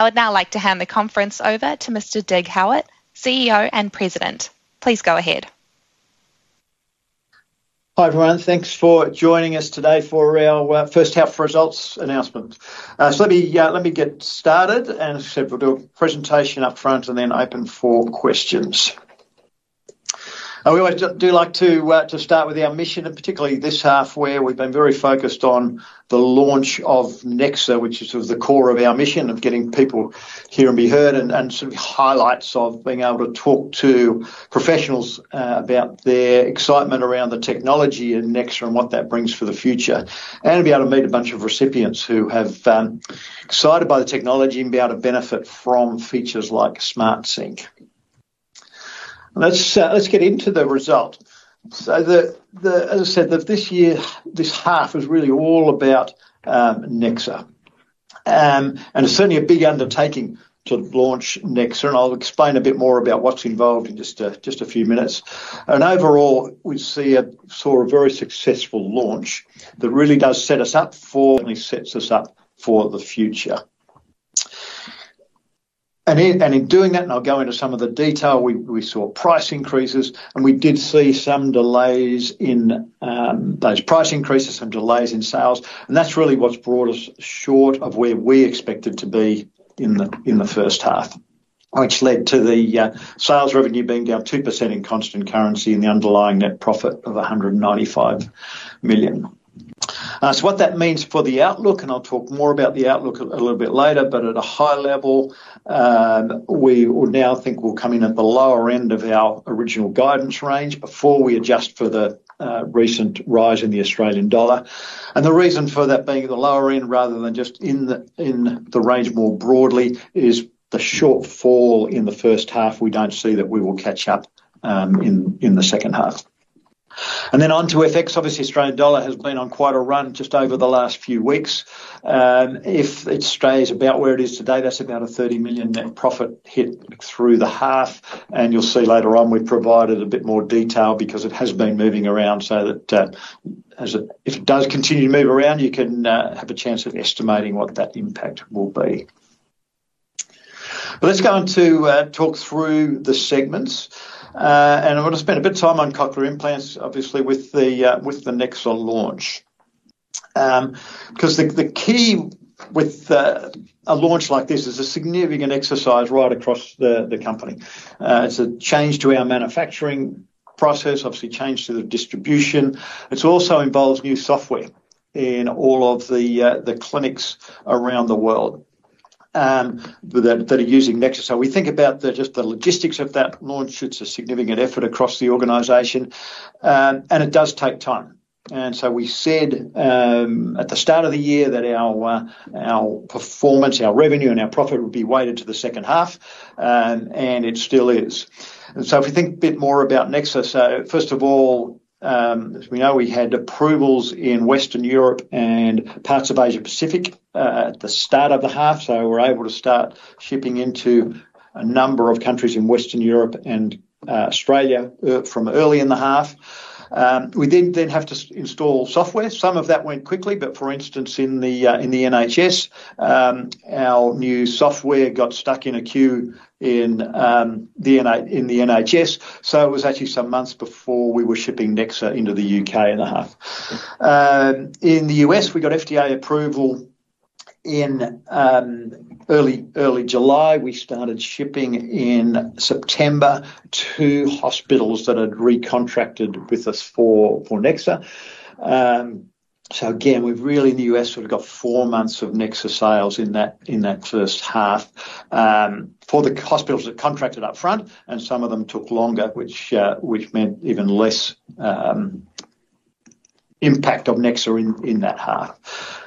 I would now like to hand the conference over to Mr. Dig Howitt, CEO and President. Please go ahead. Hi, everyone. Thanks for joining us today for our first half results announcement. So let me get started, and as I said, we'll do a presentation up front and then open for questions. We always do like to start with our mission, and particularly this half, where we've been very focused on the launch of Nexa, which is sort of the core of our mission, of getting people hear and be heard, and sort of highlights of being able to talk to professionals about their excitement around the technology and Nexa and what that brings for the future. And be able to meet a bunch of recipients who have excited by the technology and be able to benefit from features like SmartSync. Let's get into the result. As I said, this year, this half is really all about Nexa. And it's certainly a big undertaking to launch Nexa, and I'll explain a bit more about what's involved in just a few minutes. And overall, we saw a very successful launch that really does set us up for the future. And in doing that, and I'll go into some of the detail, we saw price increases, and we did see some delays in those price increases, some delays in sales, and that's really what's brought us short of where we expected to be in the first half, which led to the sales revenue being down 2% in constant currency and the underlying net profit of 195 million. So what that means for the outlook, and I'll talk more about the outlook a little bit later, but at a high level, we now think we'll come in at the lower end of our original guidance range before we adjust for the recent rise in the Australian dollar. And the reason for that being in the lower end rather than just in the range more broadly is the shortfall in the first half. We don't see that we will catch up in the second half. And then on to FX. Obviously, the Australian dollar has been on quite a run just over the last few weeks. If it stays about where it is today, that's about a 30 million net profit hit through the half, and you'll see later on, we've provided a bit more detail because it has been moving around so that if it does continue to move around, you can have a chance of estimating what that impact will be. Let's go on to talk through the segments. I'm gonna spend a bit of time on Cochlear implants, obviously, with the Nexa launch. 'Cause the key with a launch like this is a significant exercise right across the company. It's a change to our manufacturing process, obviously change to the distribution. It's also involves new software in all of the clinics around the world that are using Nexa. So we think about just the logistics of that launch, it's a significant effort across the organization, and it does take time. So we said at the start of the year that our performance, our revenue, and our profit would be weighted to the second half, and it still is. So if you think a bit more about Nexa, first of all, as we know, we had approvals in Western Europe and parts of Asia-Pacific at the start of the half, so we're able to start shipping into a number of countries in Western Europe and Australia from early in the half. We then have to install software. Some of that went quickly, but for instance, in the NHS, our new software got stuck in a queue in the NHS it was actually some months before we were shipping Nexa into the U.K. and a half. In the U.S., we got FDA approval in early July. We started shipping in September to hospitals that had recontracted with us for Nexa. So again, we've really, in the U.S., we've got four months of Nexa sales in that first half. For the hospitals that contracted up front, and some of them took longer, which meant even less impact of Nexa in that half.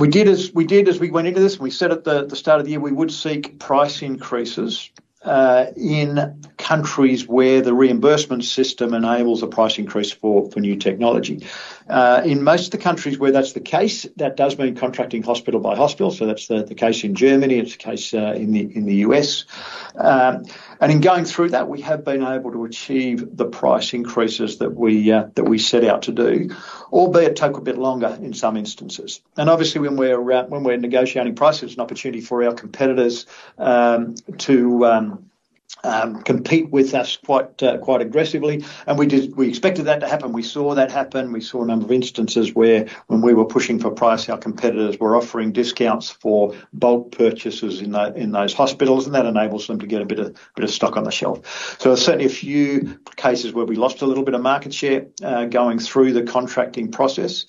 We did as we went into this, and we said at the start of the year, we would seek price increases in countries where the reimbursement system enables a price increase for new technology. In most of the countries where that's the case, that does mean contracting hospital by hospital, so that's the case in Germany, it's the case in the U.S. And in going through that, we have been able to achieve the price increases that we set out to do, albeit take a bit longer in some instances. And obviously, when we're around when we're negotiating price, there's an opportunity for our competitors to compete with us quite aggressively, and we did we expected that to happen. We saw that happen. We saw a number of instances where when we were pushing for price, our competitors were offering discounts for bulk purchases in those hospitals, and that enables them to get a bit of stock on the shelf. So certainly a few cases where we lost a little bit of market share going through the contracting process.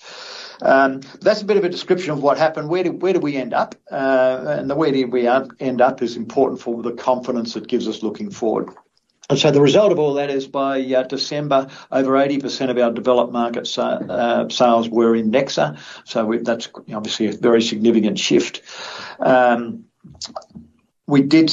That's a bit of a description of what happened. Where did we end up? And the way that we end up is important for the confidence it gives us looking forward. And so the result of all that is, by December, over 80% of our developed market sales were in Nexa, so we've, that's obviously a very significant shift. We did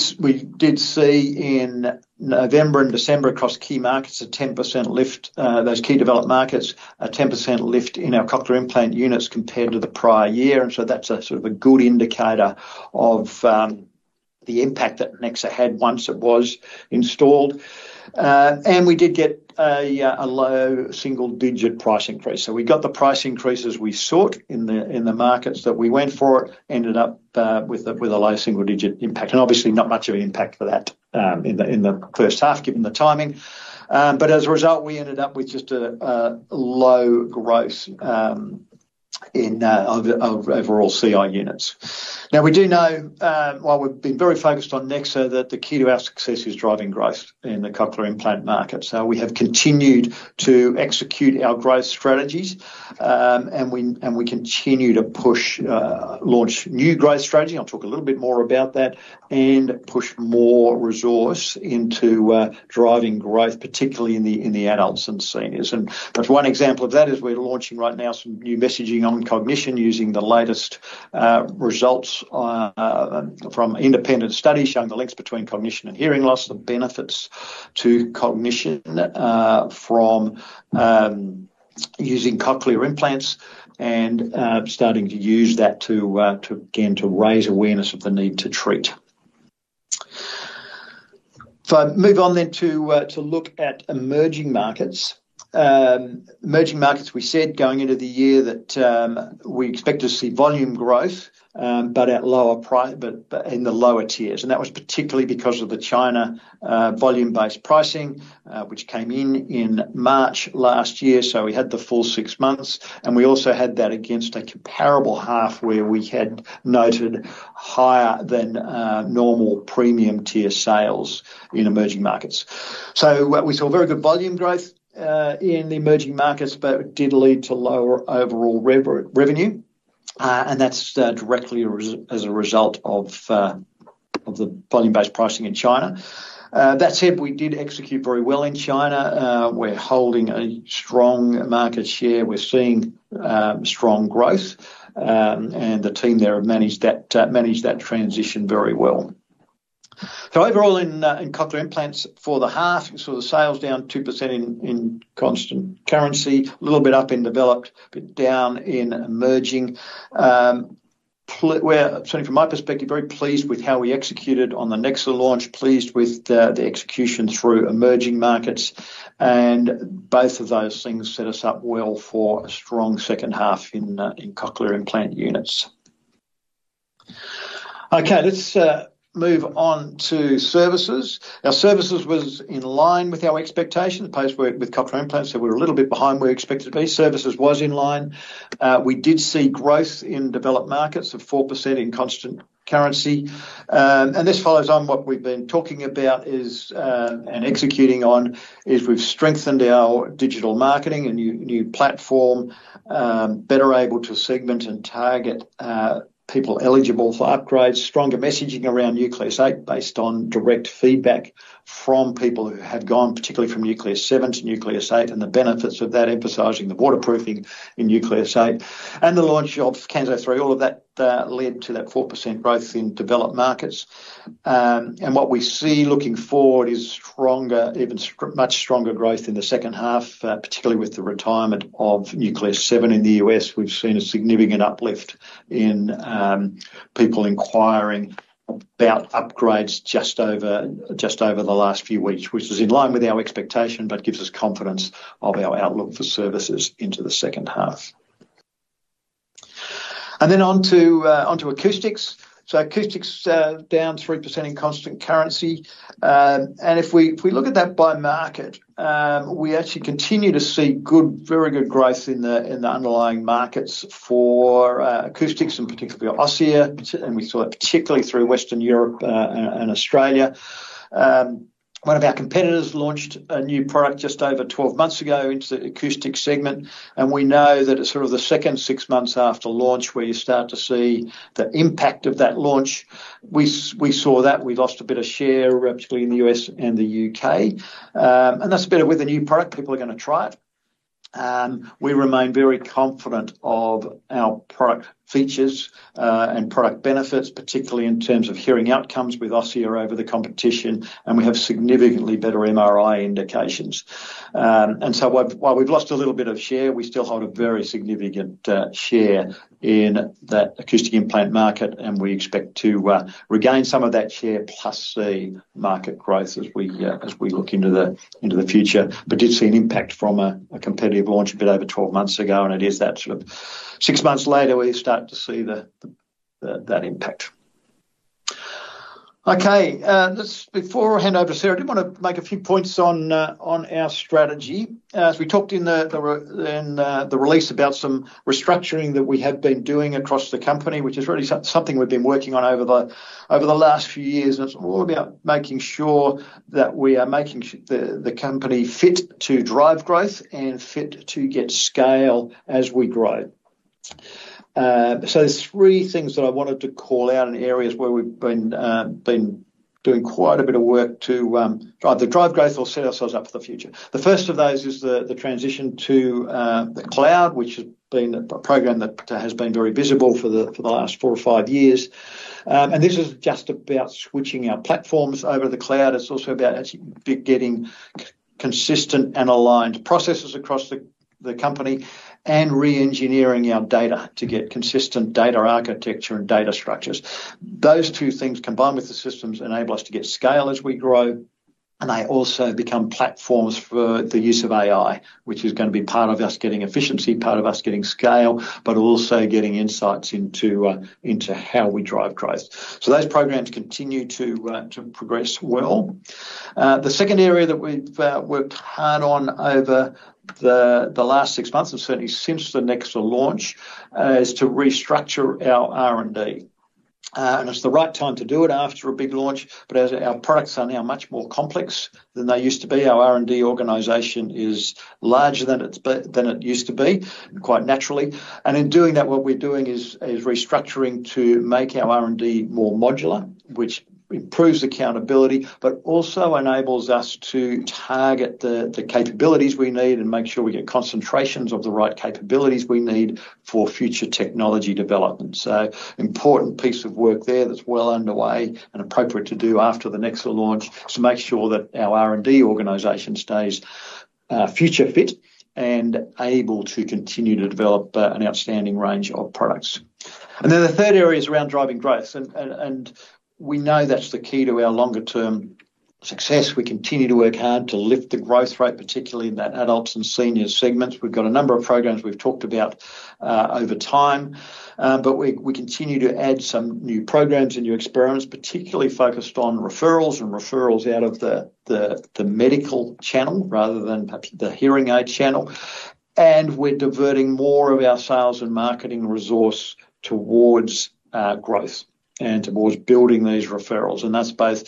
see in November and December, across key markets, a 10% lift, those key developed markets, a 10% lift in our Cochlear implant units compared to the prior year, and so that's a sort of a good indicator of the impact that Nexa had once it was installed. And we did get a low single-digit price increase. So we got the price increases we sought in the markets that we went for. It ended up with a low single-digit impact, and obviously not much of an impact for that in the first half, given the timing. But as a result, we ended up with just a low growth in overall CI units. Now, we do know while we've been very focused on Nexa, that the key to our success is driving growth in the cochlear implant market. So we have continued to execute our growth strategies, and we continue to push launch new growth strategy. I'll talk a little bit more about that, and push more resource into driving growth, particularly in the adults and seniors. Just one example of that is we're launching right now some new messaging on cognition, using the latest results from independent studies showing the links between cognition and hearing loss, the benefits to cognition from using cochlear implants and starting to use that to again to raise awareness of the need to treat. If I move on then to look at emerging markets. Emerging markets, we said going into the year that we expect to see volume growth, but at lower prices but in the lower tiers, and that was particularly because of the China volume-based pricing, which came in in March last year. So we had the full six months, and we also had that against a comparable half, where we had noted higher than normal premium tier sales in emerging markets. So we saw very good volume growth in the emerging markets, but it did lead to lower overall revenue, and that's directly as a result of the volume-based pricing in China. That said, we did execute very well in China. We're holding a strong market share. We're seeing strong growth, and the team there have managed that transition very well. So overall in Cochlear implants for the half, you saw the sales down 2% in constant currency, a little bit up in developed, but down in emerging. Well, certainly from my perspective, very pleased with how we executed on the Nexa launch, pleased with the execution through emerging markets, and both of those things set us up well for a strong second half in Cochlear implant units. Okay, let's move on to services. Our services was in line with our expectations, opposed with cochlear implants, so we're a little bit behind where we expected to be. Services was in line. We did see growth in developed markets of 4% in constant currency. And this follows on what we've been talking about is, and executing on, is we've strengthened our digital marketing, a new platform, better able to segment and target people eligible for upgrades. Stronger messaging around Nucleus 8, based on direct feedback from people who have gone, particularly from Nucleus 7 to Nucleus 8, and the benefits of that, emphasizing the waterproofing in Nucleus 8, and the launch of Kanso 3. All of that led to that 4% growth in developed markets. And what we see looking forward is stronger, much stronger growth in the second half, particularly with the retirement of Nucleus 7 in the U.S. We've seen a significant uplift in people inquiring about upgrades just over, just over the last few weeks, which is in line with our expectation, but gives us confidence of our outlook for services into the second half. And then on to, on to acoustics. So acoustics, down 3% in constant currency. And if we look at that by market, we actually continue to see good, very good growth in the underlying markets for acoustics and particularly Osia, and we saw it particularly through Western Europe and Australia. One of our competitors launched a new product just over 12 months ago into the acoustics segment, and we know that it's sort of the second six months after launch, where you start to see the impact of that launch. We saw that. We lost a bit of share, particularly in the U.S. and the U.K., and that's better with a new product, people are gonna try it. We remain very confident of our product features and product benefits, particularly in terms of hearing outcomes with Osia over the competition, and we have significantly better MRI indications. And so while, while we've lost a little bit of share, we still hold a very significant share in that acoustic implant market, and we expect to regain some of that share plus see market growth as we as we look into the, into the future. But did see an impact from a competitive launch a bit over 12 months ago, and it is that sort of six months later, where you're starting to see the that impact. Okay, before I hand over to Sarah, I did want to make a few points on on our strategy. As we talked in the release about some restructuring that we have been doing across the company, which is really something we've been working on over the last few years, and it's all about making sure that we are making the company fit to drive growth and fit to get scale as we grow. So there's three things that I wanted to call out in areas where we've been doing quite a bit of work to either drive growth or set ourselves up for the future. The first of those is the transition to the cloud, which has been a program that has been very visible for the last four or five years. And this is just about switching our platforms over to the cloud. It's also about actually getting consistent and aligned processes across the company, and re-engineering our data to get consistent data architecture and data structures. Those two things, combined with the systems, enable us to get scale as we grow, and they also become platforms for the use of AI, which is going to be part of us getting efficiency, part of us getting scale, but also getting insights into how we drive growth. So those programs continue to progress well. The second area that we've worked hard on over the last six months, and certainly since the Nexa launch, is to restructure our R&D. And it's the right time to do it after a big launch, but as our products are now much more complex than they used to be, our R&D organization is larger than it used to be, quite naturally. And in doing that, what we're doing is restructuring to make our R&D more modular, which improves accountability, but also enables us to target the capabilities we need and make sure we get concentrations of the right capabilities we need for future technology development. So important piece of work there that's well underway and appropriate to do after the Nexa launch, to make sure that our R&D organization stays future fit and able to continue to develop an outstanding range of products. And then, the third area is around driving growth, and we know that's the key to our longer term success. We continue to work hard to lift the growth rate, particularly in that adults and seniors segments. We've got a number of programs we've talked about over time, but we continue to add some new programs and new experiments, particularly focused on referrals out of the medical channel, rather than perhaps the hearing aid channel. We're diverting more of our sales and marketing resource towards growth and towards building these referrals. And that's both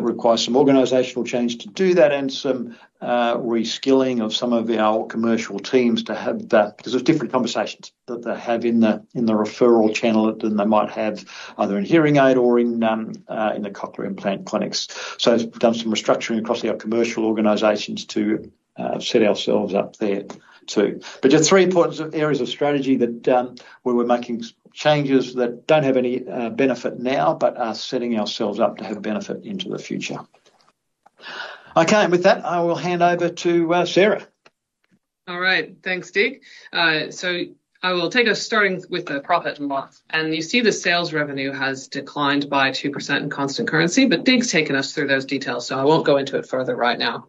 requires some organizational change to do that and some reskilling of some of our commercial teams to have that—'cause there's different conversations that they have in the referral channel than they might have either in hearing aid or in the cochlear implant clinics. We've done some restructuring across our commercial organizations to set ourselves up there too. But just three important areas of strategy that where we're making changes that don't have any benefit now, but are setting ourselves up to have benefit into the future. Okay, and with that, I will hand over to Sarah. All right. Thanks, Dig. So I will take us starting with the profit and loss. You see the sales revenue has declined by 2% in constant currency, but Dig's taken us through those details, so I won't go into it further right now.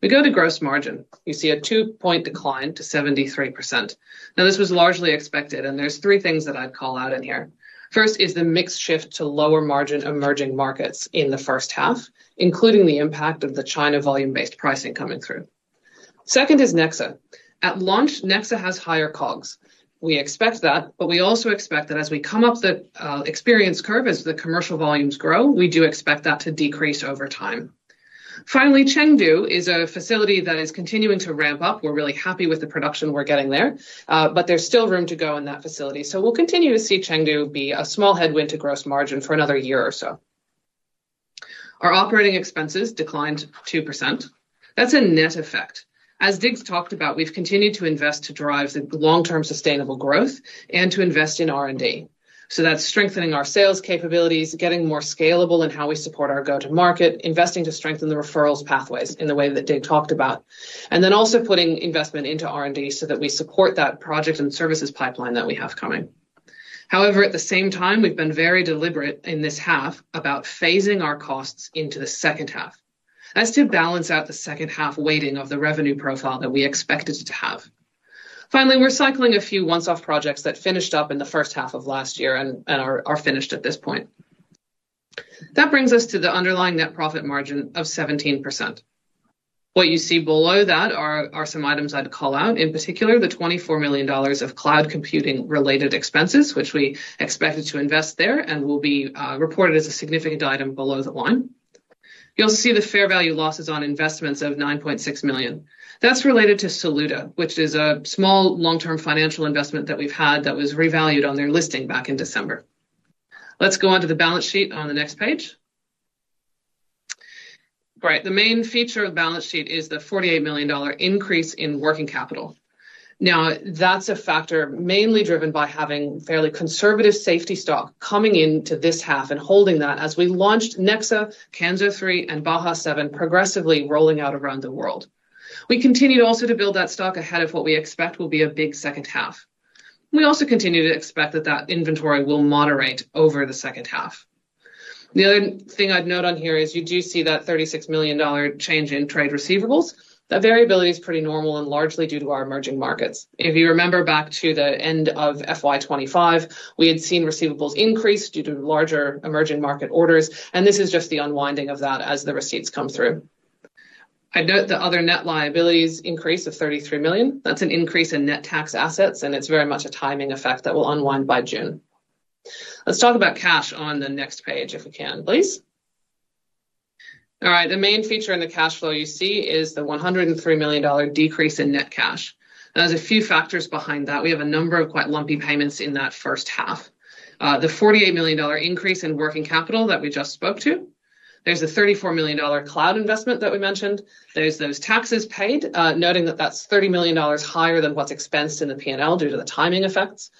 We go to gross margin. You see a 2-point decline to 73%. Now, this was largely expected, and there's three things that I'd call out in here. First is the mix shift to lower margin emerging markets in the first half, including the impact of the China volume-based pricing coming through. Second is Nexa. At launch, Nexa has higher COGS. We expect that, but we also expect that as we come up the experience curve, as the commercial volumes grow, we do expect that to decrease over time. Finally, Chengdu is a facility that is continuing to ramp up. We're really happy with the production we're getting there, but there's still room to go in that facility, so we'll continue to see Chengdu be a small headwind to gross margin for another year or so. Our operating expenses declined 2%. That's a net effect. As Dig's talked about, we've continued to invest to drive the long-term sustainable growth and to invest in R&D. So that's strengthening our sales capabilities, getting more scalable in how we support our go-to market, investing to strengthen the referrals pathways in the way that Dig talked about, and then also putting investment into R&D so that we support that project and services pipeline that we have coming. However, at the same time, we've been very deliberate in this half about phasing our costs into the second half. That's to balance out the second half weighting of the revenue profile that we expected to have. Finally, we're cycling a few once-off projects that finished up in the first half of last year and are finished at this point. That brings us to the underlying net profit margin of 17%. What you see below that are some items I'd call out, in particular, the 24 million dollars of cloud computing-related expenses, which we expected to invest there and will be reported as a significant item below the line. You'll see the fair value losses on investments of 9.6 million. That's related to Saluda, which is a small, long-term financial investment that we've had that was revalued on their listing back in December. Let's go on to the balance sheet on the next page. Right, the main feature of the balance sheet is the 48 million dollar increase in working capital. Now, that's a factor mainly driven by having fairly conservative safety stock coming into this half and holding that as we launched Nexa, Kanso 3, and Baha 7, progressively rolling out around the world. We continued also to build that stock ahead of what we expect will be a big second half. We also continue to expect that that inventory will moderate over the second half. The other thing I'd note on here is you do see that 36 million dollar change in trade receivables. That variability is pretty normal and largely due to our emerging markets. If you remember back to the end of FY 2025, we had seen receivables increase due to larger emerging market orders, and this is just the unwinding of that as the receipts come through. I note the other net liabilities increase of 33 million. That's an increase in net tax assets, and it's very much a timing effect that will unwind by June. Let's talk about cash on the next page, if we can, please. All right. The main feature in the cash flow you see is the 103 million dollar decrease in net cash. There's a few factors behind that. We have a number of quite lumpy payments in that first half. The 48 million dollar increase in working capital that we just spoke to. There's a 34 million dollar cloud investment that we mentioned. There's those taxes paid, noting that that's 30 million dollars higher than what's expensed in the P&L due to the timing effects.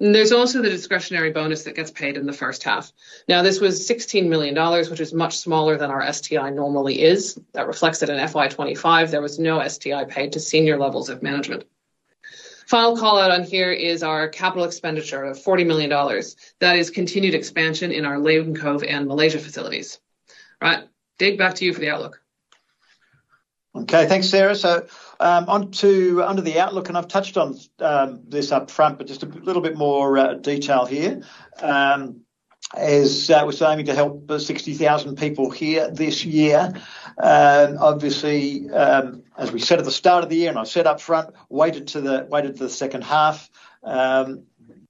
And there's also the discretionary bonus that gets paid in the first half. Now, this was 16 million dollars, which is much smaller than our STI normally is. That reflects that in FY 2025, there was no STI paid to senior levels of management. Final call-out on here is our capital expenditure of 40 million dollars. That is continued expansion in our Lane Cove and Malaysia facilities. All right, Dig, back to you for the outlook. Okay, thanks, Sarah. So, on to under the outlook, and I've touched on this upfront, but just a little bit more detail here. As we're aiming to help 60,000 people hear this year, obviously, as we said at the start of the year, and I said up front, waited till the second half,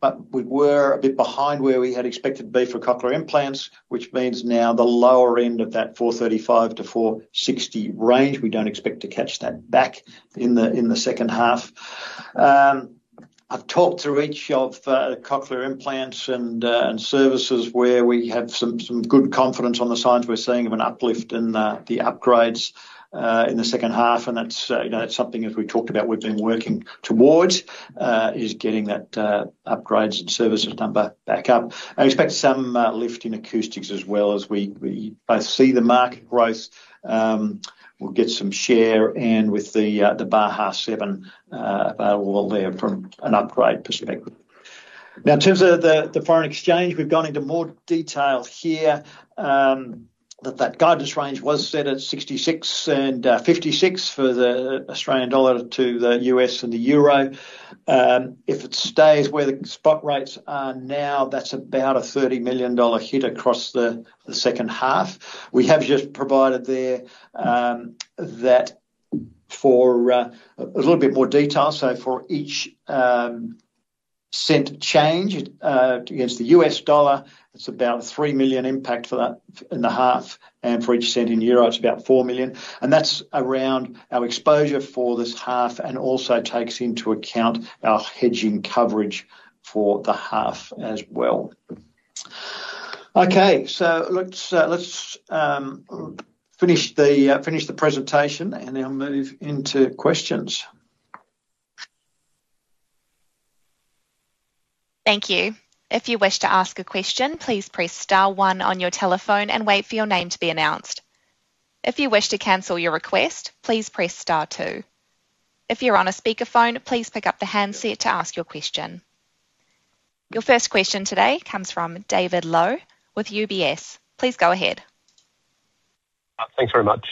but we were a bit behind where we had expected to be for Cochlear implants, which means now the lower end of that 435-460 range, we don't expect to catch that back in the second half. I've talked to each of Cochlear implants and Services where we have some good confidence on the signs we're seeing of an uplift in the upgrades in the second half, and that's, you know, that's something, as we talked about, we've been working towards is getting that upgrades and Services number back up. I expect some lift in Acoustics as well as we both see the market growth, we'll get some share, and with the Baha 7 available there from an upgrade perspective. Now, in terms of the foreign exchange, we've gone into more detail here, that that guidance range was set at 0.66 and 0.56 for the Australian dollar to the U.S. dollar and the euro. If it stays where the spot rates are now, that's about a 30 million dollar hit across the second half. We have just provided there that for a little bit more detail, so for each cent change against the U.S. dollar, it's about a 3 million impact for that in the half, and for each cent in euro, it's about 4 million, and that's around our exposure for this half, and also takes into account our hedging coverage for the half as well. Okay, so let's finish the presentation, and then we'll move into questions. Thank you. If you wish to ask a question, please press star one on your telephone and wait for your name to be announced. If you wish to cancel your request, please press star two. If you're on a speakerphone, please pick up the handset to ask your question. Your first question today comes from David Low with UBS. Please go ahead. Thanks very much.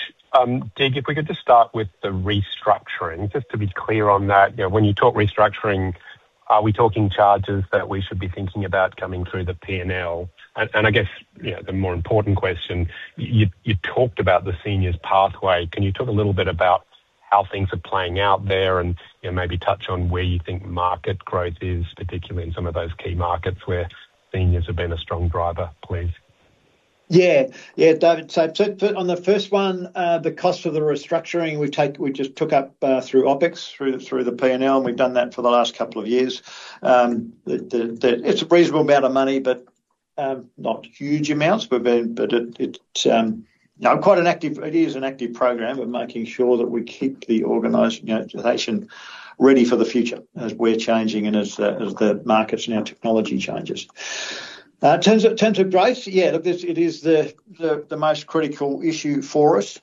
Dig, if we could just start with the restructuring, just to be clear on that, you know, when you talk restructuring, are we talking charges that we should be thinking about coming through the P&L? And I guess you talked about the seniors pathway. Can you talk a little bit about how things are playing out there and, you know, maybe touch on where you think market growth is, particularly in some of those key markets where seniors have been a strong driver, please? Yeah. Yeah, David, so on the first one, the cost of the restructuring, we take—we just took up through OpEx, through the P&L, and we've done that for the last couple of years. It's a reasonable amount of money, but not huge amounts, but it, it's quite an active—it is an active program. We're making sure that we keep the organization ready for the future as we're changing and as the markets and our technology changes. In terms of growth, yeah, look, this, it is the most critical issue for us.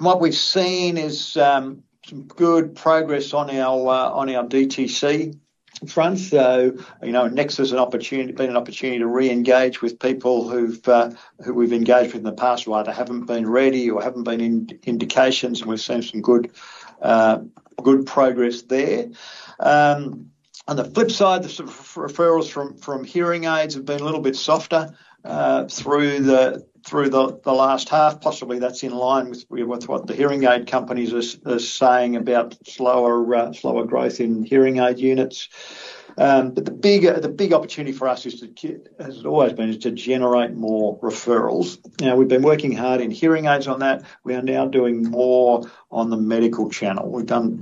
What we've seen is some good progress on our DTC front. You know, Nexa is an opportunity, been an opportunity to re-engage with people who've who we've engaged with in the past, who either haven't been ready or haven't been in indications, and we've seen some good good progress there. On the flip side, the sort of referrals from hearing aids have been a little bit softer through the last half. Possibly that's in line with what the hearing aid companies are saying about slower growth in hearing aid units. But the big opportunity for us is to as it always been, is to generate more referrals. You know, we've been working hard in hearing aids on that. We are now doing more on the medical channel. We've done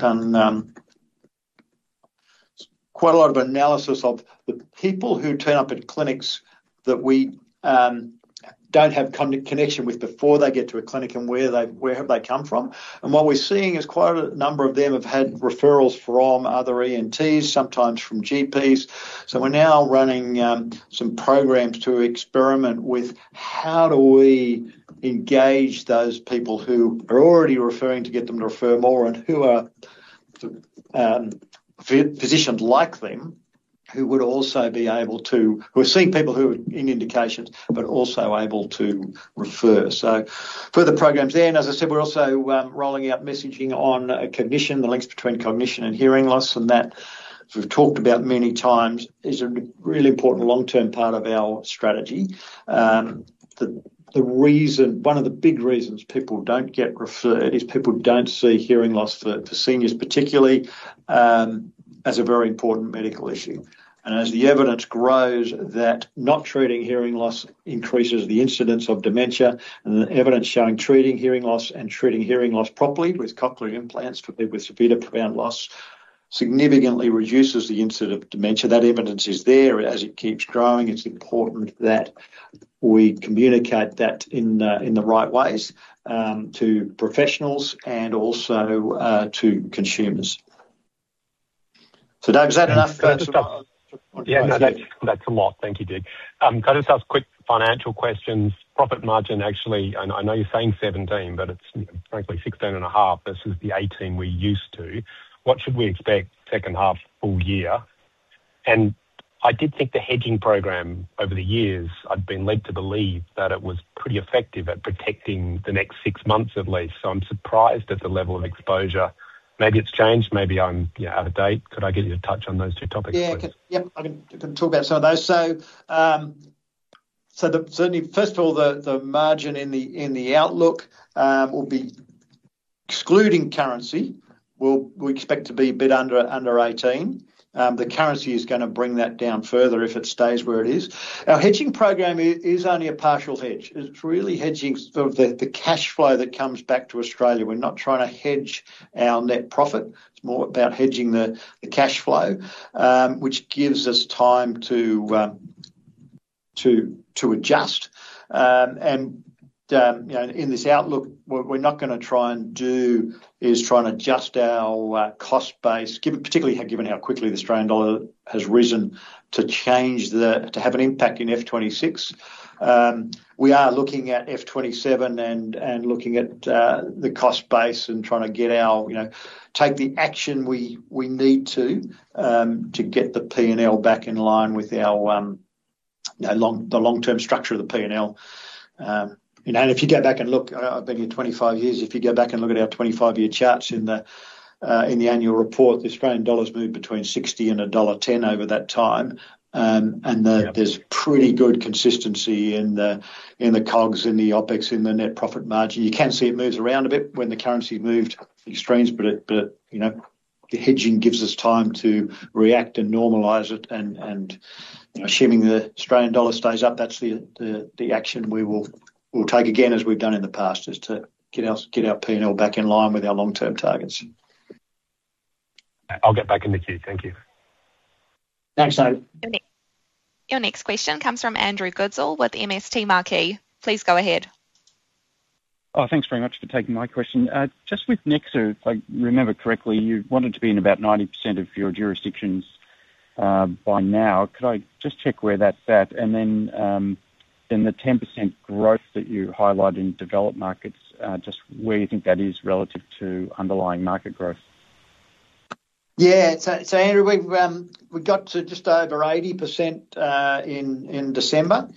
quite a lot of analysis of the people who turn up at clinics that we don't have connection with before they get to a clinic and where they have come from. What we're seeing is quite a number of them have had referrals from other ENTs, sometimes from GPs. We're now running some programs to experiment with how do we engage those people who are already referring to get them to refer more, and who are physicians like them, who would also be able to who are seeing people who are in indications, but also able to refer. Further programs there, and as I said, we're also rolling out messaging on cognition, the links between cognition and hearing loss, and that we've talked about many times is a really important long-term part of our strategy. One of the big reasons people don't get referred is people don't see hearing loss for seniors, particularly, as a very important medical issue. And as the evidence grows that not treating hearing loss increases the incidence of dementia, and the evidence showing treating hearing loss and treating hearing loss properly with Cochlear implants for people with severe to profound loss, significantly reduces the incidence of dementia. That evidence is there. As it keeps growing, it's important that we communicate that in the right ways to professionals and also to consumers. So Dave, is that enough? Yeah, no, that's, that's a lot. Thank you, Dig. Can I just ask quick financial questions? Profit margin, actually, and I know you're saying 17%, but it's frankly 16.5% versus the 18% we're used to. What should we expect second half full year? And I did think the hedging program over the years, I've been led to believe that it was pretty effective at protecting the next six months at least, so I'm surprised at the level of exposure. Maybe it's changed, maybe I'm, you know, out of date. Could I get you to touch on those two topics? Yeah, I can. Yep, I can talk about some of those. So, certainly, first of all, the margin in the outlook will be excluding currency. We expect to be a bit under 18%. The currency is gonna bring that down further if it stays where it is. Our hedging program is only a partial hedge. It's really hedging the cash flow that comes back to Australia. We're not trying to hedge our net profit, it's more about hedging the cash flow, which gives us time to adjust. And, you know, in this outlook, what we're not gonna try and do is try and adjust our cost base, particularly given how quickly the Australian dollar has risen to have an impact in FY 2026. We are looking at FY 2027 and looking at the cost base and trying to get our, you know, take the action we need to get the P&L back in line with our, you know, the long-term structure of the P&L. And if you go back and look, I've been here 25 years, if you go back and look at our 25-year charts in the annual report, the Australian dollar's moved between $0.60 and $1.10 over that time. Yeah. There's pretty good consistency in the COGS, in the OpEx, in the net profit margin. You can see it moves around a bit when the currency moved extremes, but you know, the hedging gives us time to react and normalize it. Assuming the Australian dollar stays up, that's the action we'll take again, as we've done in the past, just to get our P&L back in line with our long-term targets. I'll get back in the queue. Thank you. Thanks, Dave. Your next question comes from Andrew Goodsall with MST Marquee. Please go ahead. Oh, thanks very much for taking my question. Just with Nexa, if I remember correctly, you wanted to be in about 90% of your jurisdictions by now. Could I just check where that's at? And then, in the 10% growth that you highlight in developed markets, just where you think that is relative to underlying market growth? Yeah. So, so Andrew, we've, we've got to just over 80%, in, in December.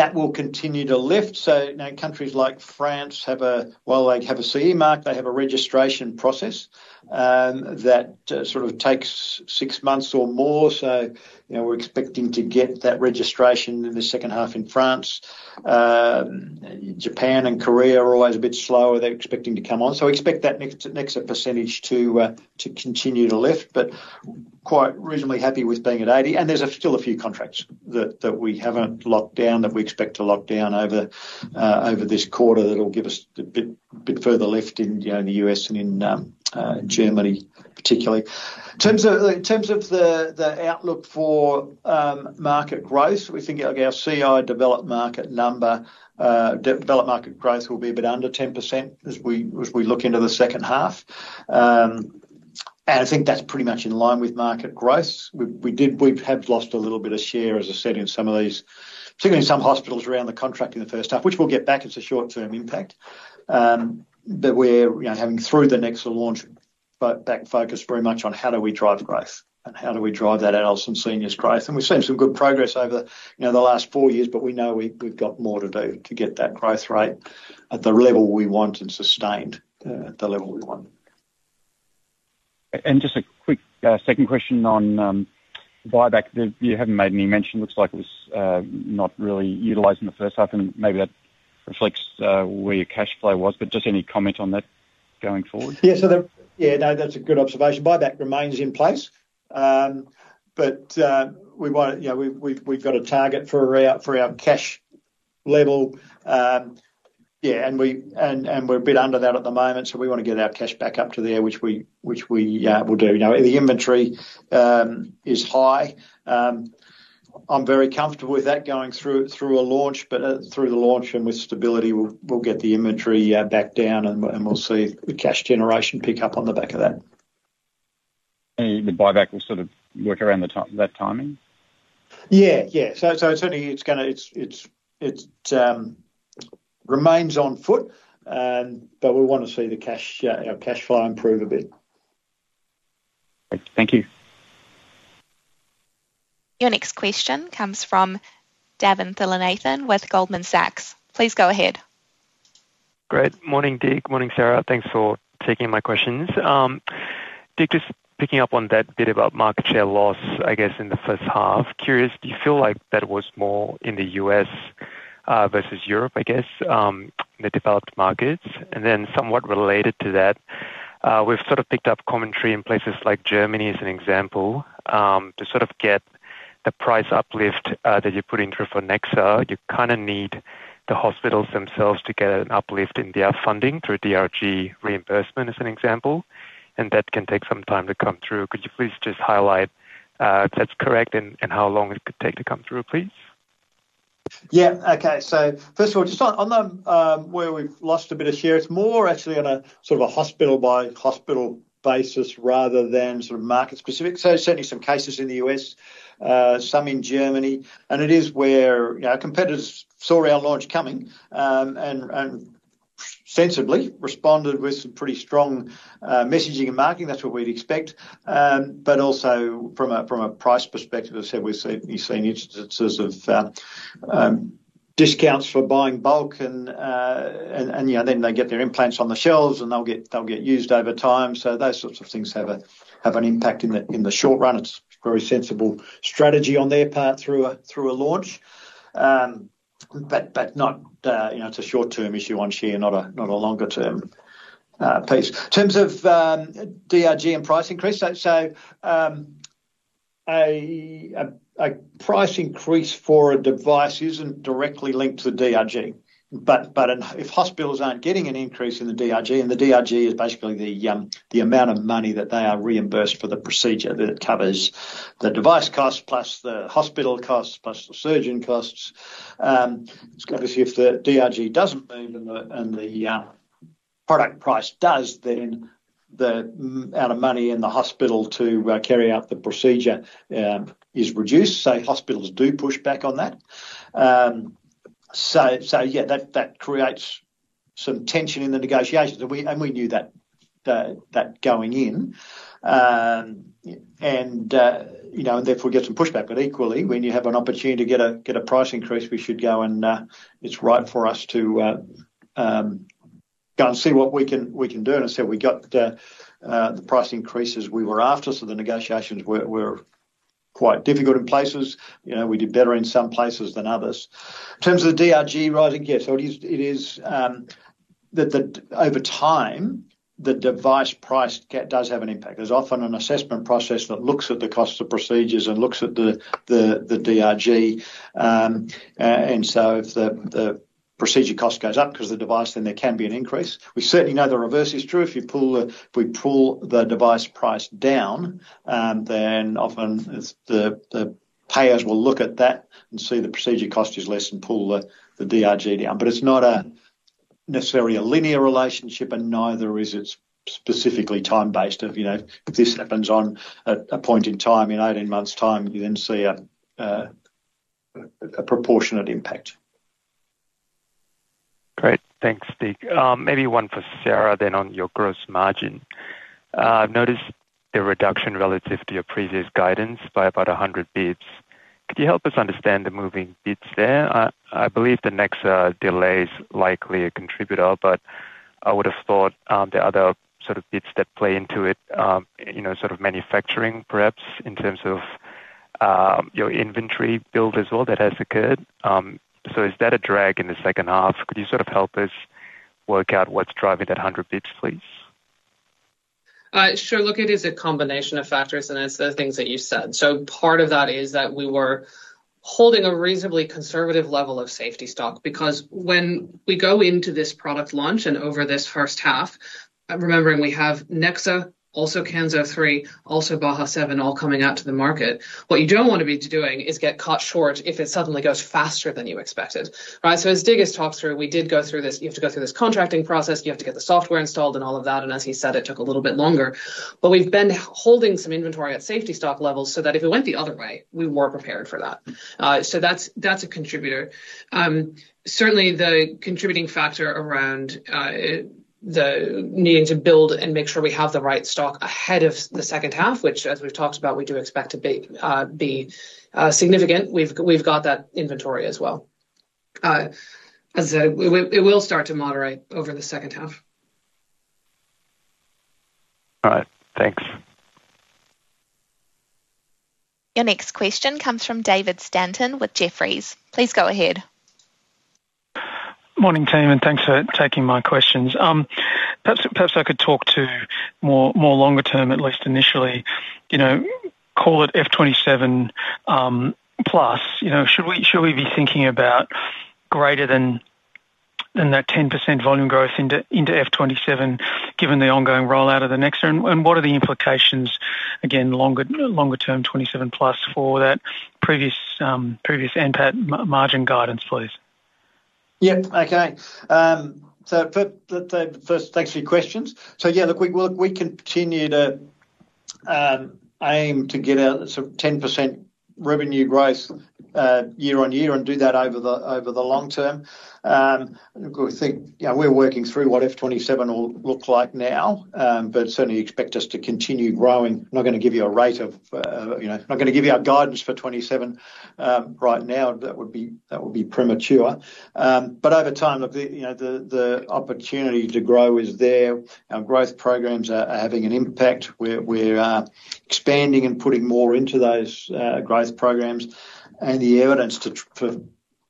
That will continue to lift. So, you know, countries like France have a, well, they have a CE mark, they have a registration process, that, sort of takes six months or more. So, you know, we're expecting to get that registration in the second half in France. Japan and Korea are always a bit slower, they're expecting to come on. So we expect that Nexa percentage to, to continue to lift, but quite reasonably happy with being at 80. And there's still a few contracts that, that we haven't locked down, that we expect to lock down over, over this quarter that will give us a bit, bit further lift in, you know, the U.S. and in, Germany, particularly. In terms of the outlook for market growth, we think our CI developed market growth will be a bit under 10% as we look into the second half. And I think that's pretty much in line with market growth. We have lost a little bit of share, as I said, in some of these, particularly in some hospitals around the contract in the first half, which we'll get back. It's a short-term impact. But we're, you know, having through the Nexa launch, focused very much on how do we drive growth and how do we drive that adults and seniors growth. We've seen some good progress over, you know, the last four years, but we know we've got more to do to get that growth rate at the level we want and sustained at the level we want. Just a quick second question on buyback. You haven't made any mention. Looks like it was not really utilized in the first half, and maybe that reflects where your cash flow was, but just any comment on that going forward? Yeah, so. Yeah, no, that's a good observation. Buyback remains in place. But, we want, you know, we've got a target for our cash level. Yeah, and we're a bit under that at the moment, so we want to get our cash back up to there, which we will do. You know, the inventory is high. I'm very comfortable with that going through a launch, but through the launch and with stability, we'll get the inventory back down, and we'll see the cash generation pick up on the back of that. The buyback will sort of work around that timing? Yeah, yeah. So certainly, it's gonna, it remains on foot, but we want to see our cash flow improve a bit. Thank you. Your next question comes from Davinthra Thillainathan with Goldman Sachs. Please go ahead. Great. Morning, Dig. Morning, Sarah. Thanks for taking my questions. Dig, just picking up on that bit about market share loss, I guess, in the first half. Curious, do you feel like that was more in the U.S., versus Europe, I guess, in the developed markets? And then somewhat related to that, we've sort of picked up commentary in places like Germany as an example, to sort of get the price uplift that you're putting through for Nexa, you kinda need the hospitals themselves to get an uplift in their funding through DRG reimbursement, as an example, and that can take some time to come through. Could you please just highlight if that's correct and how long it could take to come through, please? Yeah. Okay. First of all, just on where we've lost a bit of share, it's more actually on a sort of a hospital-by-hospital basis rather than sort of market specific. Certainly some cases in the U.S., some in Germany, and it is where, you know, our competitors saw our launch coming, and sensibly responded with some pretty strong messaging and marketing. That's what we'd expect. But also from a price perspective, as I said, we've seen instances of discounts for buying bulk and, you know, then they get their implants on the shelves, and they'll get used over time. So those sorts of things have an impact in the short run. It's a very sensible strategy on their part through a launch. But not, you know, it's a short-term issue on share, not a longer term piece. In terms of DRG and price increase, so a price increase for a device isn't directly linked to the DRG, but if hospitals aren't getting an increase in the DRG, and the DRG is basically the amount of money that they are reimbursed for the procedure, that it covers the device costs, plus the hospital costs, plus the surgeon costs. It's going to see if the DRG doesn't move and the product price does, then the amount of money in the hospital to carry out the procedure is reduced, so hospitals do push back on that. So, yeah, that creates some tension in the negotiations, and we knew that going in. You know, therefore, we get some pushback, but equally, when you have an opportunity to get a price increase, we should go and it's right for us to go and see what we can do. And so we got the price increases we were after, so the negotiations were quite difficult in places. You know, we did better in some places than others. In terms of the DRG rising, yes, so it is the over time, the device price does have an impact. There's often an assessment process that looks at the costs of procedures and looks at the DRG. And so if the procedure cost goes up because the device, then there can be an increase. We certainly know the reverse is true. If you pull the—if we pull the device price down, then often it's the payers will look at that and see the procedure cost is less and pull the DRG down. But it's not necessarily a linear relationship, and neither is it specifically time-based of, you know, if this happens on a point in time, in 18 months' time, you then see a proportionate impact. Great. Thanks, Dig. Maybe one for Sarah then on your gross margin. I've noticed the reduction relative to your previous guidance by about 100 basis points. Could you help us understand the moving bits there? I believe the Nexa delay is likely a contributor, but I would have thought, the other sort of bits that play into it, you know, sort of manufacturing perhaps in terms of, your inventory build as well, that has occurred. So is that a drag in the second half? Could you sort of help us work out what's driving that 100 basis points, please? Sure. Look, it is a combination of factors, and it's the things that you said. So part of that is that we were holding a reasonably conservative level of safety stock because when we go into this product launch and over this first half, remembering we have Nexa, also Kanso 3, also Baha 7, all coming out to the market, what you don't want to be doing is get caught short if it suddenly goes faster than you expected, right? So as Dig has talked through, we did go through this. You have to go through this contracting process, you have to get the software installed and all of that, and as he said, it took a little bit longer. But we've been holding some inventory at safety stock levels so that if it went the other way, we were prepared for that. So that's, that's a contributor. Certainly the contributing factor around the needing to build and make sure we have the right stock ahead of the second half, which as we've talked about, we do expect to be significant. We've got that inventory as well. As it will start to moderate over the second half. All right. Thanks. Your next question comes from David Stanton with Jefferies. Please go ahead. Morning, team, and thanks for taking my questions. Perhaps I could talk more longer term, at least initially, you know, call it FY 2027 plus. You know, should we be thinking about greater than that 10% volume growth into FY 2027, given the ongoing rollout of the Nexa? And what are the implications, again, longer term 2027 plus for that previous NPAT margin guidance, please? Yeah. Okay. So the first, thanks for your questions. So yeah, look, we, we'll, we continue to aim to get a sort of 10% revenue growth, year on year and do that over the, over the long term. Look, we think, you know, we're working through what FY 2027 will look like now, but certainly expect us to continue growing. Not gonna give you a rate of, you know, not gonna give you our guidance for 2027, right now, that would be, that would be premature. But over time, look, the, you know, the, the opportunity to grow is there. Our growth programs are, are having an impact. We're, we're, expanding and putting more into those, growth programs, and the evidence to, for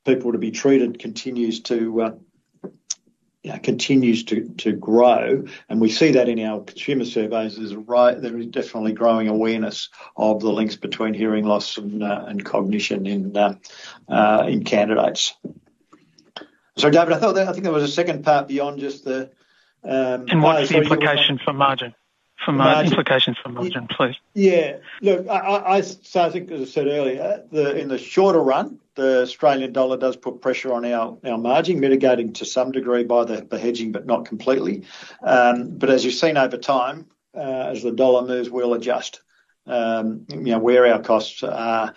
people to be treated continues to. Yeah, continues to grow, and we see that in our consumer surveys. There's right, there is definitely growing awareness of the links between hearing loss and cognition in candidates. Sorry, David, I thought that. I think there was a second part beyond just the- What's the implication for margin? Implications for margin, please. Yeah. Look, I so I think, as I said earlier, the in the shorter run, the Australian dollar does put pressure on our margin, mitigating to some degree by the hedging, but not completely. But as you've seen over time, as the dollar moves, we'll adjust, you know, where our costs are,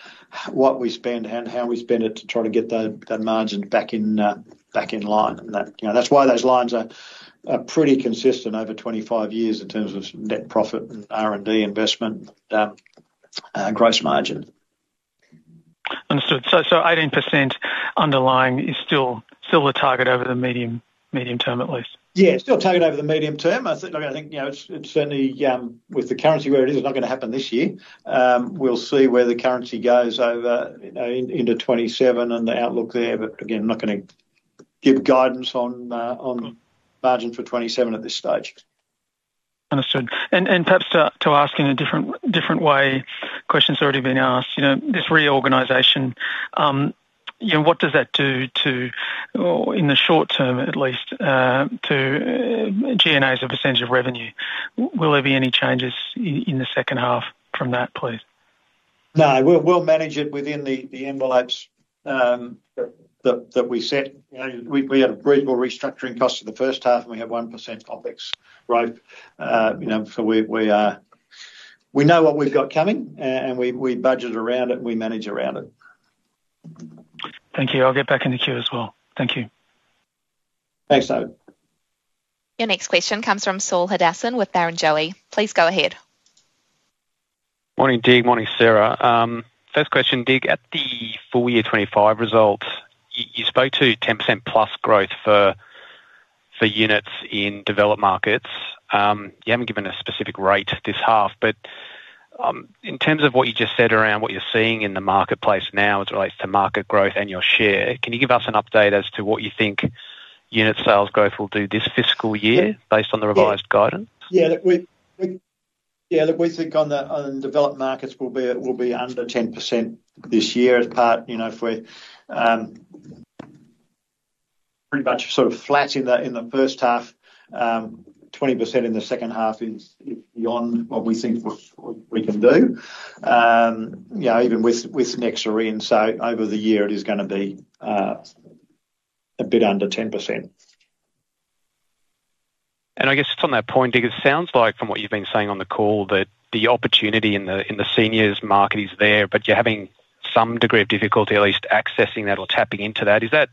what we spend, and how we spend it to try to get the margin back in, back in line. And that, you know, that's why those lines are pretty consistent over 25 years in terms of net profit and R&D investment, gross margin. Understood. So, 18% underlying is still the target over the medium term, at least? Yeah, still target over the medium term. I think, look, I think, you know, it's, it's certainly with the currency where it is, it's not gonna happen this year. We'll see where the currency goes over, you know, into 2027 and the outlook there, but again, I'm not gonna give guidance on margin for 2027 at this stage. Understood. And perhaps to ask in a different way, question's already been asked, you know, this reorganization, you know, what does that do to, or in the short term, at least, to G&A as a percentage of revenue? Will there be any changes in the second half from that, please? No, we'll manage it within the envelopes that we set. You know, we had a reasonable restructuring cost in the first half, and we have 1% OpEx growth. You know, so we are we know what we've got coming, and we budget around it, we manage around it. Thank you. I'll get back in the queue as well. Thank you. Thanks, David. Your next question comes from Saul Hadassin with Barrenjoey. Please go ahead. Morning, Dig. Morning, Sarah. First question, Dig, at the full year 25 results, you spoke to 10%+ growth for units in developed markets. You haven't given a specific rate this half, but in terms of what you just said around what you're seeing in the marketplace now as it relates to market growth and your share, can you give us an update as to what you think unit sales growth will do this fiscal year based on the revised guidance? Yeah, look, we think on the, on the developed markets will be under 10% this year. As part, you know, if we're pretty much sort of flat in the, in the first half, 20% in the second half is beyond what we think we can do. You know, even with some extra in, so over the year it is gonna be a bit under 10%. And I guess just on that point, Dig, it sounds like from what you've been saying on the call, that the opportunity in the, in the seniors market is there, but you're having some degree of difficulty at least accessing that or tapping into that. Is that,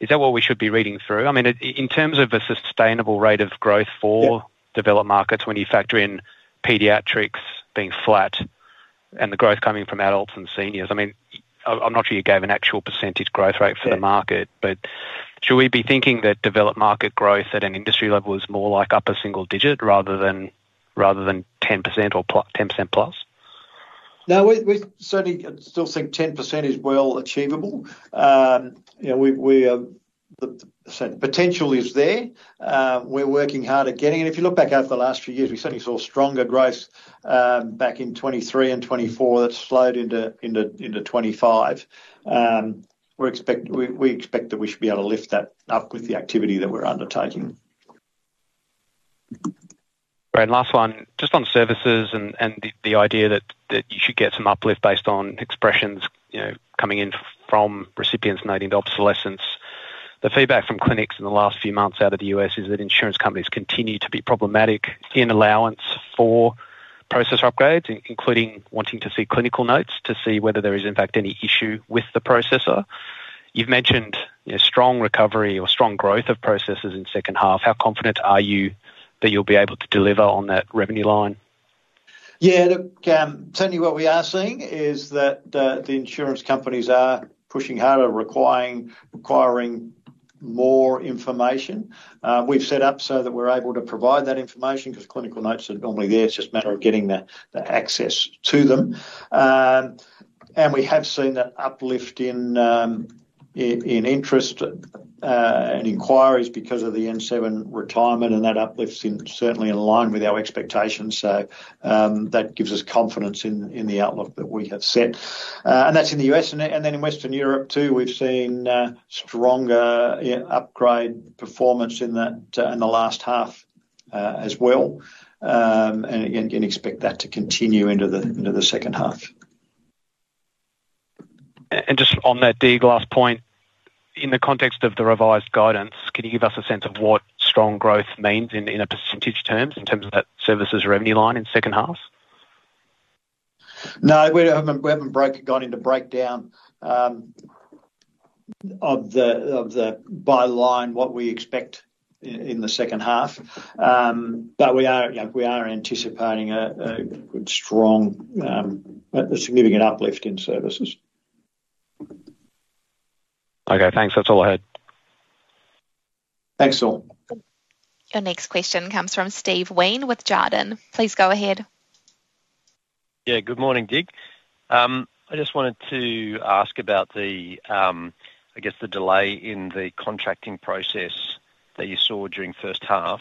is that what we should be reading through? I mean, in terms of a sustainable rate of growth for developed markets, when you factor in pediatrics being flat and the growth coming from adults and seniors, I mean, I'm not sure you gave an actual percentage growth rate for the market but should we be thinking that developed market growth at an industry level is more like upper single digit rather than 10% or 10%+? No, we certainly still think 10% is well achievable. You know, the potential is there. We're working hard at getting it. If you look back over the last few years, we certainly saw stronger growth back in 2023 and 2024. That's slowed into 2025. We're expect—we expect that we should be able to lift that up with the activity that we're undertaking. Great, last one. Just on services and the idea that you should get some uplift based on expressions, you know, coming in from recipients relating to obsolescence. The feedback from clinics in the last few months out of the U.S. is that insurance companies continue to be problematic in allowance for processor upgrades, including wanting to see clinical notes to see whether there is, in fact, any issue with the processor. You've mentioned a strong recovery or strong growth of processors in second half. How confident are you that you'll be able to deliver on that revenue line? Yeah, look, certainly what we are seeing is that the insurance companies are pushing harder, requiring more information. We've set up so that we're able to provide that information, 'cause clinical notes are normally there; it's just a matter of getting the access to them. And we have seen that uplift in interest and inquiries because of the N7 retirement, and that uplift seems certainly in line with our expectations, so that gives us confidence in the outlook that we have set. And that's in the U.S., and then in Western Europe too, we've seen stronger, yeah, upgrade performance in that in the last half as well. And again, expect that to continue into the second half. Just on that Dig, last point, in the context of the revised guidance, can you give us a sense of what strong growth means in a percentage terms, in terms of that services revenue line in second half? No, we haven't gone into breakdown of the by line, what we expect in the second half. But we are, yeah, we are anticipating a good strong, a significant uplift in services. Okay, thanks. That's all I had. Thanks, Saul. Your next question comes from Steve Wheen with Jarden. Please go ahead. Yeah, good morning, Dig. I just wanted to ask about the, I guess, the delay in the contracting process that you saw during first half.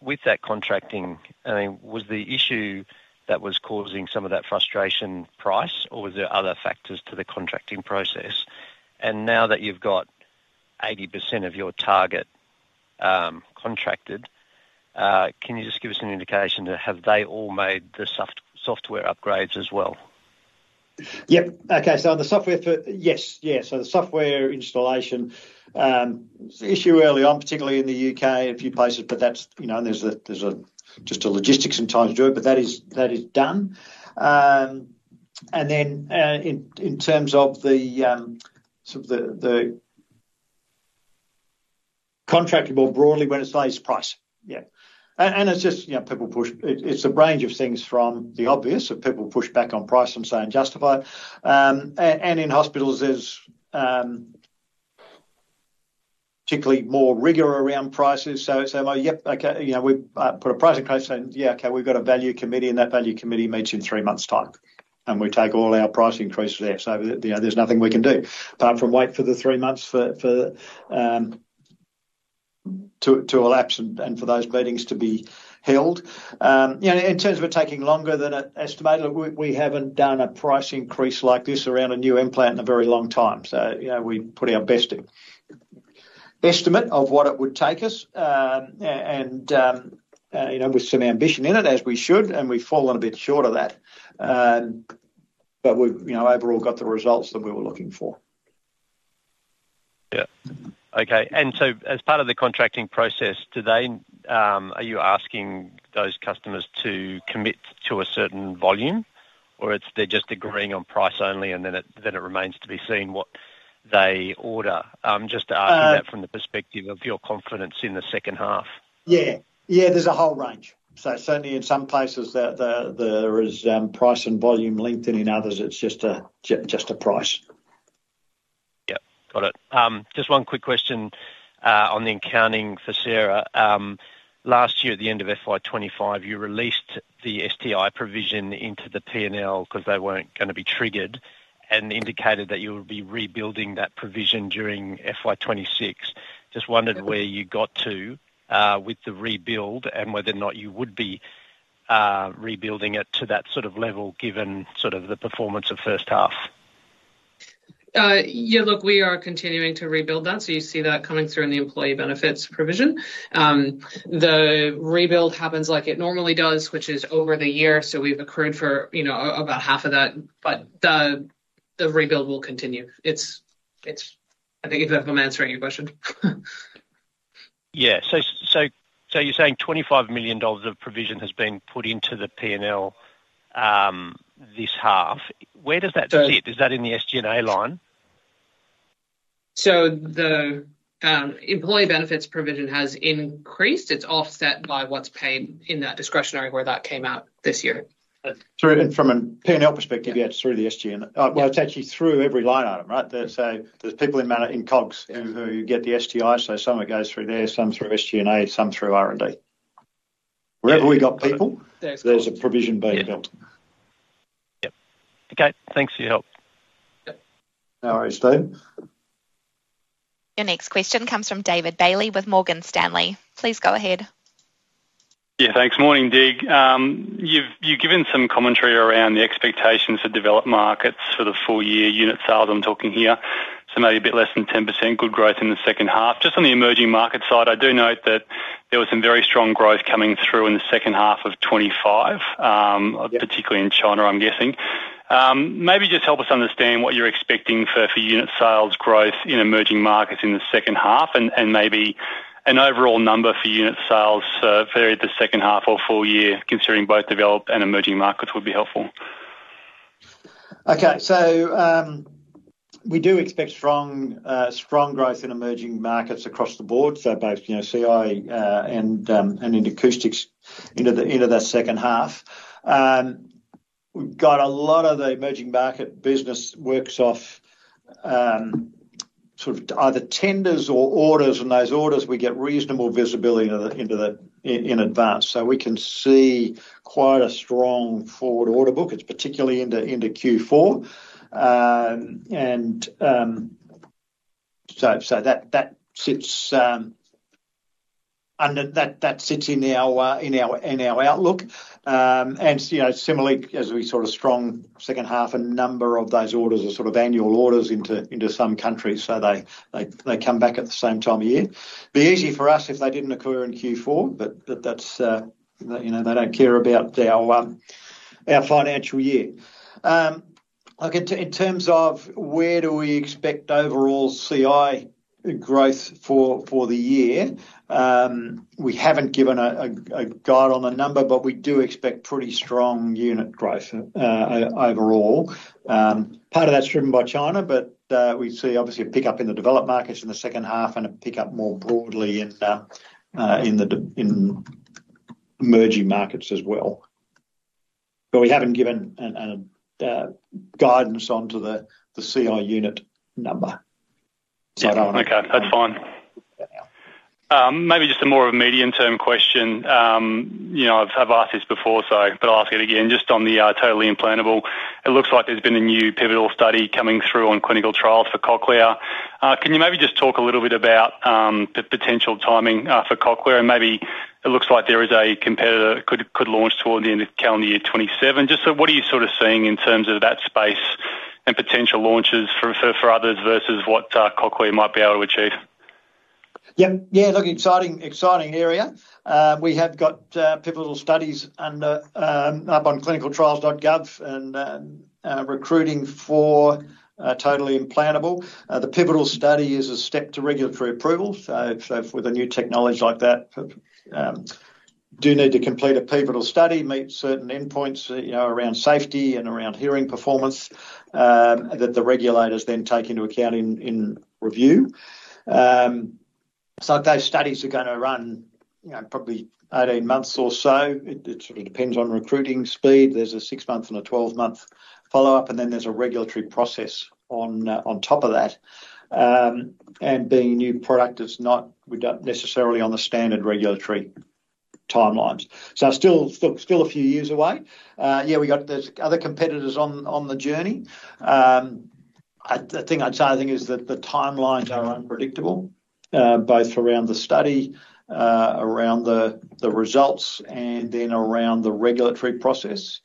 With that contracting, I mean, was the issue that was causing some of that frustration price, or was there other factors to the contracting process? And now that you've got 80% of your target contracted, can you just give us an indication, have they all made the software upgrades as well? Yep. Okay, so on the software for. Yes, yeah, so the software installation issue early on, particularly in the U.K., a few places, but that's, you know, there's just a logistics and time to do it, but that is done. And then in terms of the sort of the contracted more broadly when it says price. Yeah. And it's just, you know, people push it's a range of things from the obvious, so people push back on price and saying justified. And in hospitals, there's particularly more rigor around prices, so it's, "Yep, okay," you know, "We put a price increase," saying, "Yeah, okay, we've got a value committee, and that value committee meets in three months' time, and we take all our price increases there." So, you know, there's nothing we can do, apart from wait for the three months to elapse and for those meetings to be held. You know, in terms of it taking longer than estimated, look, we haven't done a price increase like this around a new implant in a very long time. So, you know, we put our best estimate of what it would take us, and, you know, with some ambition in it, as we should, and we've fallen a bit short of that. But we've, you know, overall got the results that we were looking for. Yeah. Okay, and so as part of the contracting process, do they, are you asking those customers to commit to a certain volume, or it's they're just agreeing on price only, and then it remains to be seen what they order? Just asking that from the perspective of your confidence in the second half. Yeah. Yeah, there's a whole range. So certainly, in some places, there is price and volume linked, in others, it's just a price. Yeah, got it. Just one quick question on the accounting for Sarah. Last year, at the end of FY 2025, you released the STI provision into the P&L because they weren't gonna be triggered and indicated that you would be rebuilding that provision during FY 2026. Just wondered where you got to with the rebuild and whether or not you would be rebuilding it to that sort of level, given sort of the performance of first half. Yeah, look, we are continuing to rebuild that, so you see that coming through in the employee benefits provision. The rebuild happens like it normally does, which is over the year, so we've accrued for, you know, about half of that, but the rebuild will continue. It's, I think if I'm answering your question. Yeah. So, you're saying $25 million of provision has been put into the P&L, this half. Where does that sit? Is that in the SG&A line? So the employee benefits provision has increased. It's offset by what's paid in that discretionary, where that came out this year. So from a P&L perspective, yeah, it's through the SG&A. Well, it's actually through every line item, right? So there's people in manufacturing in COGS. Yeah. who get the STI, so some of it goes through there, some through SG&A, some through R&D. Wherever we got people Yeah. There's a provision being built. Yep. Okay, thanks for your help. Yeah. No worries, Steve. Your next question comes from David Bailey with Morgan Stanley. Please go ahead. Yeah, thanks. Morning, Dig. You've given some commentary around the expectations for developed markets for the full year, unit sales, I'm talking here, so maybe a bit less than 10%, good growth in the second half. Just on the emerging market side, I do note that there was some very strong growth coming through in the second half of 2025. Yeah. Particularly in China, I'm guessing. Maybe just help us understand what you're expecting for unit sales growth in emerging markets in the second half, and maybe an overall number for unit sales for the second half or full year, considering both developed and emerging markets would be helpful. Okay. So, we do expect strong, strong growth in emerging markets across the board, so both, you know, CI, and, and in acoustics into the, into the second half. We've got a lot of the emerging market business works off, sort of either tenders or orders, and those orders, we get reasonable visibility into the, in, in advance. So we can see quite a strong forward order book. It's particularly into, into Q4. And, so, so that, that sits, under that, that sits in our, in our, in our outlook. And, you know, similarly, as we saw a strong second half, a number of those orders are sort of annual orders into, into some countries, so they, they, they come back at the same time of year. be easy for us if they didn't occur in Q4, but that's, you know, they don't care about our financial year. Look, in terms of where do we expect overall CI growth for the year, we haven't given a guide on the number, but we do expect pretty strong unit growth overall. Part of that's driven by China, but we see obviously a pickup in the developed markets in the second half and a pickup more broadly in the emerging markets as well. But we haven't given a guidance on the CI unit number. Yeah. Okay, that's fine. Maybe just a more of a medium-term question. You know, I've asked this before, so, but I'll ask it again, just on the totally implantable. It looks like there's been a new pivotal study coming through on clinical trials for Cochlear. Can you maybe just talk a little bit about the potential timing for Cochlear? And maybe it looks like there is a competitor that could launch toward the end of calendar year 2027. Just so what are you sort of seeing in terms of that space and potential launches for others versus what Cochlear might be able to achieve? Yep. Yeah, look, exciting, exciting area. We have got pivotal studies up on ClinicalTrials.gov and recruiting for totally implantable. The pivotal study is a step to regulatory approval, so for the new technologies like that, do need to complete a pivotal study, meet certain endpoints, you know, around safety and around hearing performance, that the regulators then take into account in review. So those studies are gonna run, you know, probably 18 months or so. It sort of depends on recruiting speed. There's a six month and a 12-month follow-up, and then there's a regulatory process on top of that. And being a new product, it's not necessarily on the standard regulatory timelines. So still, look, still a few years away. Yeah, we got, there's other competitors on the journey. I, the thing I'd say, I think, is that the timelines are unpredictable, both around the study, around the, the results, and then around the regulatory process.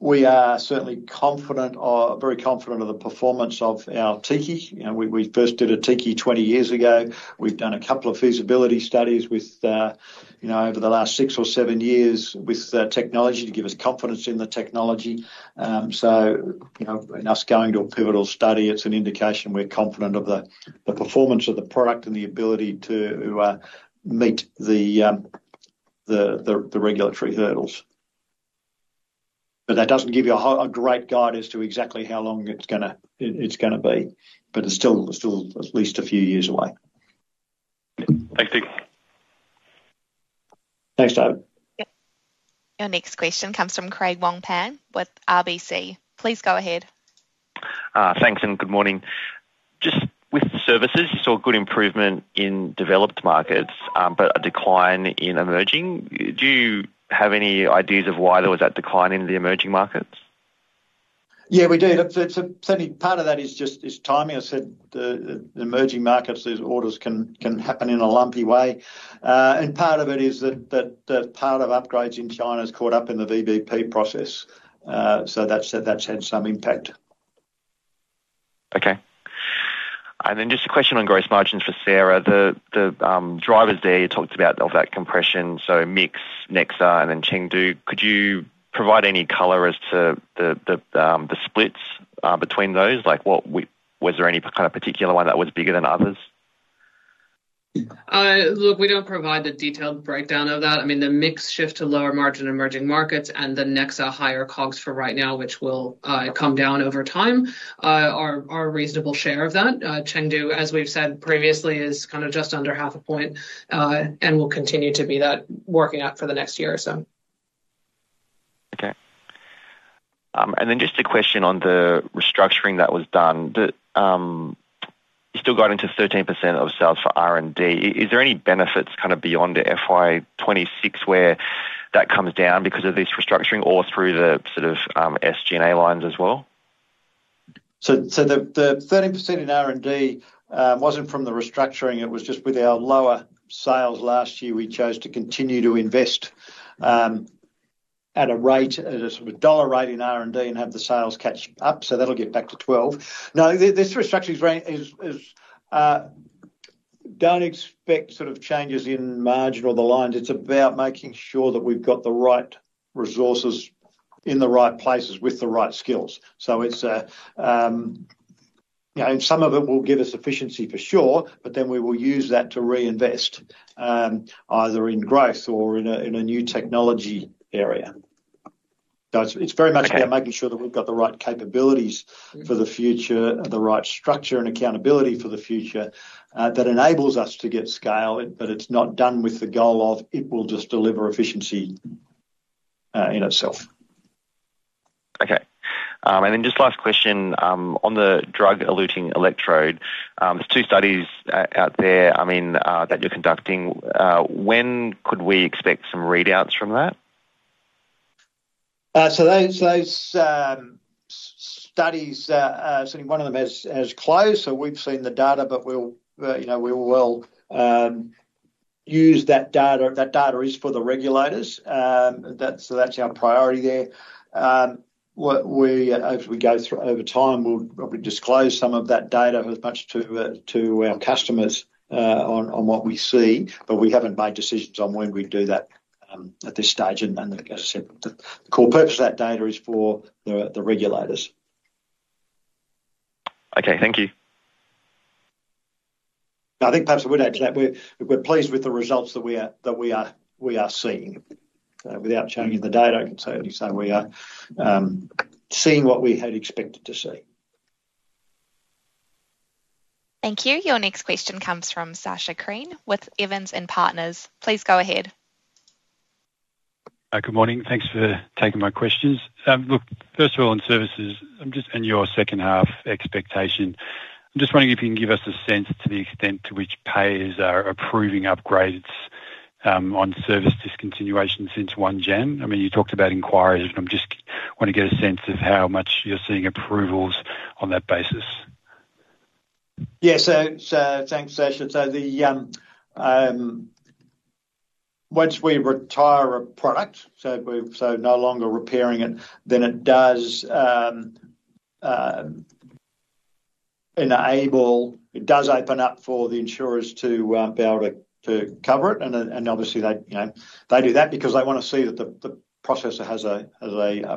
We are certainly confident or very confident of the performance of our TICI. You know, we, we first did a TICI 20 years ago. We've done a couple of feasibility studies with, you know, over the last six or seven years with the technology to give us confidence in the technology. So, you know, and us going to a pivotal study, it's an indication we're confident of the, the performance of the product and the ability to, meet the, the, the regulatory hurdles. But that doesn't give you a great guide as to exactly how long it's gonna, it's gonna be, but it's still, still at least a few years away. Thanks. Thanks, David. Your next question comes from Craig Wong-Pan with RBC. Please go ahead. Thanks, and good morning. Just with services, you saw a good improvement in developed markets, but a decline in emerging. Do you have any ideas of why there was that decline in the emerging markets? Yeah, we do. It's a certainly, part of that is just timing. I said, the emerging markets, these orders can happen in a lumpy way. And part of it is that part of upgrades in China is caught up in the VBP process. So that's had some impact. Okay. And then just a question on gross margins for Sarah. The drivers there, you talked about of that compression, so mix, Nexa, and then Chengdu. Could you provide any color as to the splits between those? Like, what was there any kind of particular one that was bigger than others? Look, we don't provide the detailed breakdown of that. I mean, the mix shift to lower margin emerging markets and the Nexa higher COGS for right now, which will come down over time, are a reasonable share of that. Chengdu, as we've said previously, is kind of just under half a point, and will continue to be that working out for the next year or so. Okay. And then just a question on the restructuring that was done. You still got into 13% of sales for R&D. Is there any benefits kind of beyond the FY 2026, where that comes down because of this restructuring or through the sort of, SG&A lines as well? So the 13% in R&D wasn't from the restructuring. It was just with our lower sales last year, we chose to continue to invest at a rate, at a sort of dollar rate in R&D and have the sales catch up, so that'll get back to 12%. Now, this restructuring is. Don't expect sort of changes in margin or the lines. It's about making sure that we've got the right resources in the right places with the right skills. So it's, you know, and some of it will give us efficiency for sure, but then we will use that to reinvest, either in growth or in a new technology area. So it's very much about making sure that we've got the right capabilities for the future and the right structure and accountability for the future, that enables us to get scale, but it's not done with the goal of it will just deliver efficiency, in itself. Okay. And then just last question on the drug-eluting electrode, there's two studies out there, I mean, that you're conducting. When could we expect some readouts from that? So those studies, so one of them has closed, so we've seen the data, but we'll, you know, we will use that data. That data is for the regulators. So that's our priority there. What we as we go through over time, we'll probably disclose some of that data as much to our customers on what we see, but we haven't made decisions on when we'd do that at this stage. As I said, the core purpose of that data is for the regulators. Okay, thank you. I think perhaps I would add to that, we're pleased with the results that we are seeing. Without showing you the data, I can certainly say we are seeing what we had expected to see. Thank you. Your next question comes from Sacha Krien with Evans and Partners. Please go ahead. Hi, good morning. Thanks for taking my questions. Look, first of all, on services and your second half expectation. I'm just wondering if you can give us a sense to the extent to which payers are approving upgrades, on service discontinuations since January 1, 2026? I mean, you talked about inquiries, but I'm just want to get a sense of how much you're seeing approvals on that basis. Yeah, so thanks, Sasha. So once we retire a product, we're no longer repairing it, then it does enable, it does open up for the insurers to be able to cover it. And then, obviously, they, you know, they do that because they want to see that the processor has a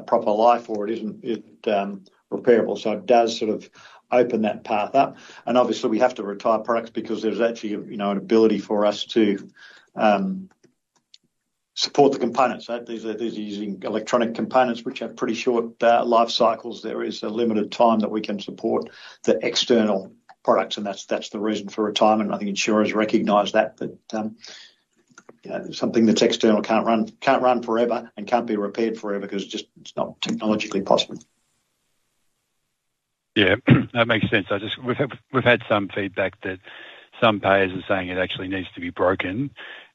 proper life or it isn't repairable. So it does sort of open that path up, and obviously we have to retire products because there's actually, you know, an ability for us to support the components. These are using electronic components, which have pretty short life cycles. There is a limited time that we can support the external products, and that's the reason for retirement. I think insurers recognize that, you know, something that's external can't run forever and can't be repaired forever because just it's not technologically possible. Yeah, that makes sense. I just we've had some feedback that some payers are saying it actually needs to be broken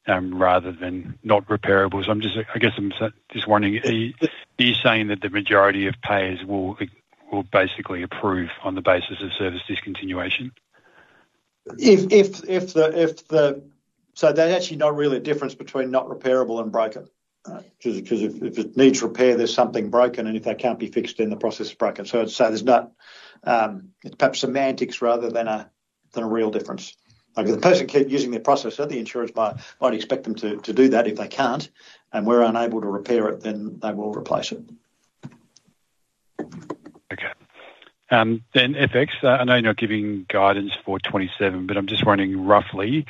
rather than not repairable. So I'm just, I guess I'm just wondering, are you saying that the majority of payers will basically approve on the basis of service discontinuation? So there's actually not really a difference between not repairable and broken. All right. Because if it needs repair, there's something broken, and if that can't be fixed, then the processor is broken. So I'd say there's not perhaps semantics rather than a real difference. Like, if the person keep using their processor, the insurers might expect them to do that. If they can't, and we're unable to repair it, then they will replace it. Okay. Then FX, I know you're not giving guidance for 2027, but I'm just wondering, roughly,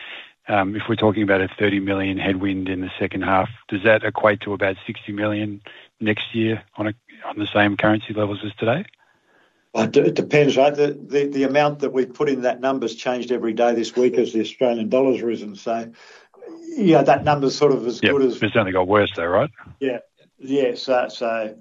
if we're talking about a 30 million headwind in the second half, does that equate to about 60 million next year on the same currency levels as today? Well, it depends, right? The amount that we've put in that number's changed every day this week as the Australian dollar's risen. So yeah, that number's sort of as good as. Yeah, but it's only got worse though, right? Yeah. Yes, so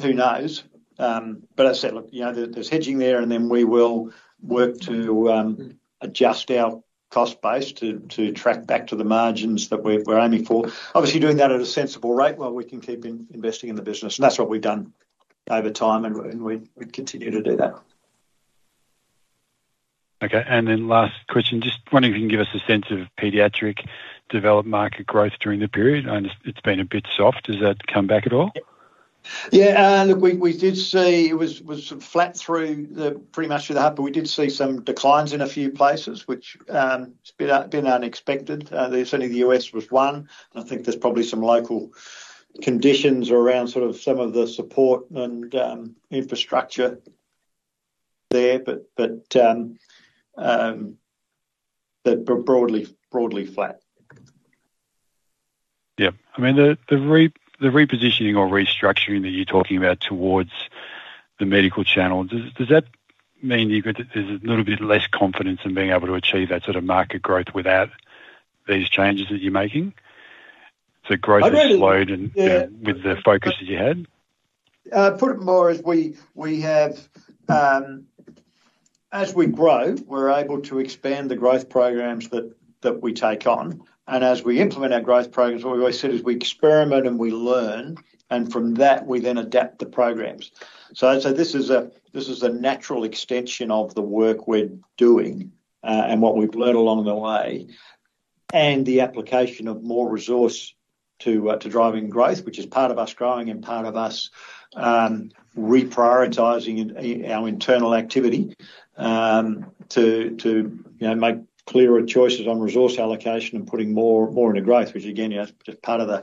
who knows? But I said, look, you know, there's hedging there, and then we will work to adjust our cost base to track back to the margins that we're aiming for. Obviously, doing that at a sensible rate while we can keep investing in the business, and that's what we've done over time, and we continue to do that. Okay, and then last question. Just wondering if you can give us a sense of pediatric developed market growth during the period, and it's, it's been a bit soft. Has that come back at all? Yeah, look, we did see it was flat pretty much through the half, but we did see some declines in a few places, which has been unexpected. Certainly, the U.S. was one. I think there's probably some local conditions around sort of some of the support and infrastructure there, but broadly flat. Yeah. I mean, the repositioning or restructuring that you're talking about towards the medical channel, does that mean you've got there's a little bit less confidence in being able to achieve that sort of market growth without these changes that you're making? So growth has slowed and- Yeah. with the focus that you had. Put it more as we have, as we grow, we're able to expand the growth programs that we take on, and as we implement our growth programs, what we always said is, we experiment, and we learn, and from that, we then adapt the programs. So I'd say this is a natural extension of the work we're doing, and what we've learned along the way, and the application of more resource to driving growth, which is part of us growing and part of us reprioritizing our internal activity to you know make clearer choices on resource allocation and putting more into growth, which again you know is just part of the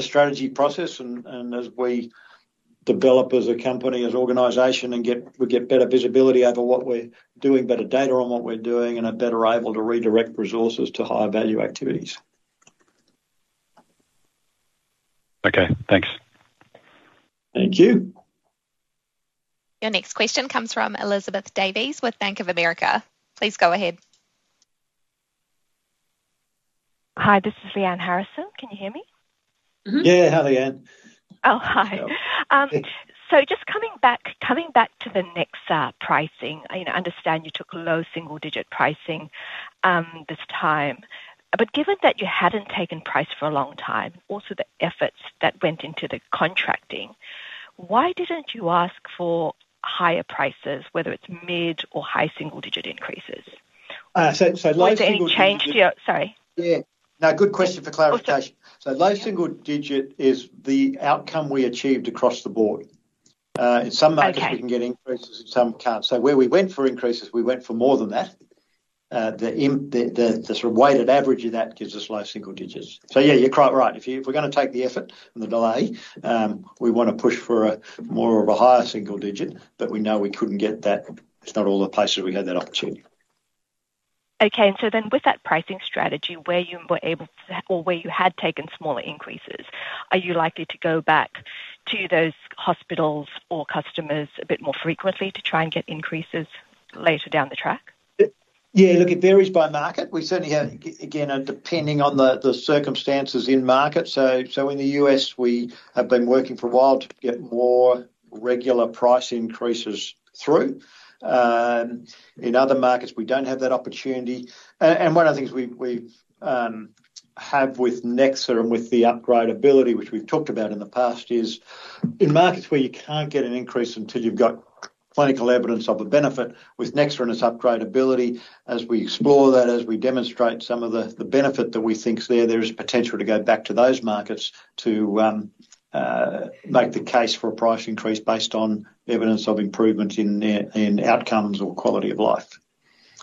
strategy process. As we develop as a company, as an organization, and get better visibility over what we're doing, better data on what we're doing, and are better able to redirect resources to higher value activities. Okay, thanks. Thank you. Your next question comes from Elizabeth Davies with Bank of America. Please go ahead. Hi, this is Lyanne Harrison. Can you hear me? Yeah, hi, Lyanne. Oh, hi. So just coming back to the Nexa pricing. I know, I understand you took low single-digit pricing this time, but given that you hadn't taken price for a long time, also the efforts that went into the contracting, why didn't you ask for higher prices, whether it's mid- or high single-digit increases? So low. Or has anything changed your. Sorry. Yeah. No, good question for clarification. Also. So low single digit is the outcome we achieved across the board. In some markets. Okay. We can get increases, and some can't. So where we went for increases, we went for more than that. The sort of weighted average of that gives us low single digits. So yeah, you're quite right. If we're gonna take the effort and the delay, we wanna push for more of a higher single digit, but we know we couldn't get that. It's not all the places we had that opportunity. Okay, and so then with that pricing strategy, where you were able to or where you had taken smaller increases, are you likely to go back to those hospitals or customers a bit more frequently to try and get increases later down the track? Yeah, look, it varies by market. We certainly have, again, depending on the circumstances in market. So in the U.S., we have been working for a while to get more regular price increases through. In other markets, we don't have that opportunity. And one of the things we have with Nexa and with the upgradeability, which we've talked about in the past, is in markets where you can't get an increase until you've got clinical evidence of a benefit, with Nexa and its upgradeability, as we explore that, as we demonstrate some of the benefit that we think is there, there is potential to go back to those markets to make the case for a price increase based on evidence of improvement in outcomes or quality of life.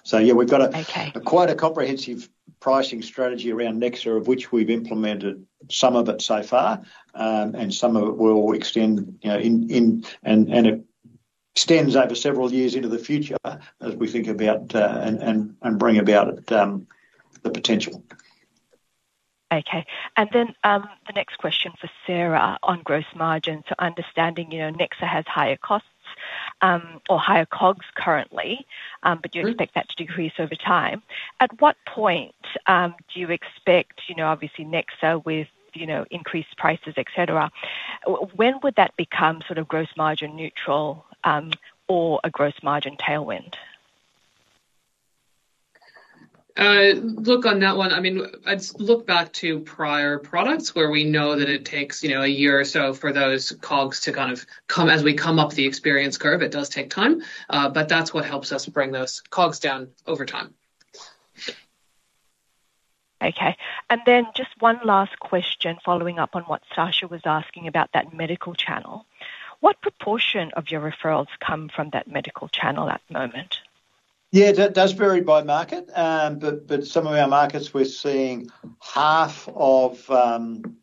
So yeah, we've got a. Okay. Quite a comprehensive pricing strategy around Nexa, of which we've implemented some of it so far, and some of it will extend, you know, it extends over several years into the future as we think about and bring about the potential. Okay. And then, the next question for Sarah on gross margins. Understanding, you know, Nexa has higher costs, or higher COGS currently but you expect that to decrease over time. At what point do you expect, you know, obviously Nexa with, you know, increased prices, et cetera, when would that become sort of gross margin neutral, or a gross margin tailwind? Look, on that one, I mean, I'd look back to prior products where we know that it takes, you know, a year or so for those COGS to kind of come—as we come up the experience curve, it does take time, but that's what helps us bring those COGS down over time. Okay. And then just one last question, following up on what Sasha was asking about that medical channel. What proportion of your referrals come from that medical channel at the moment? Yeah, that does vary by market. But some of our markets, we're seeing half of that.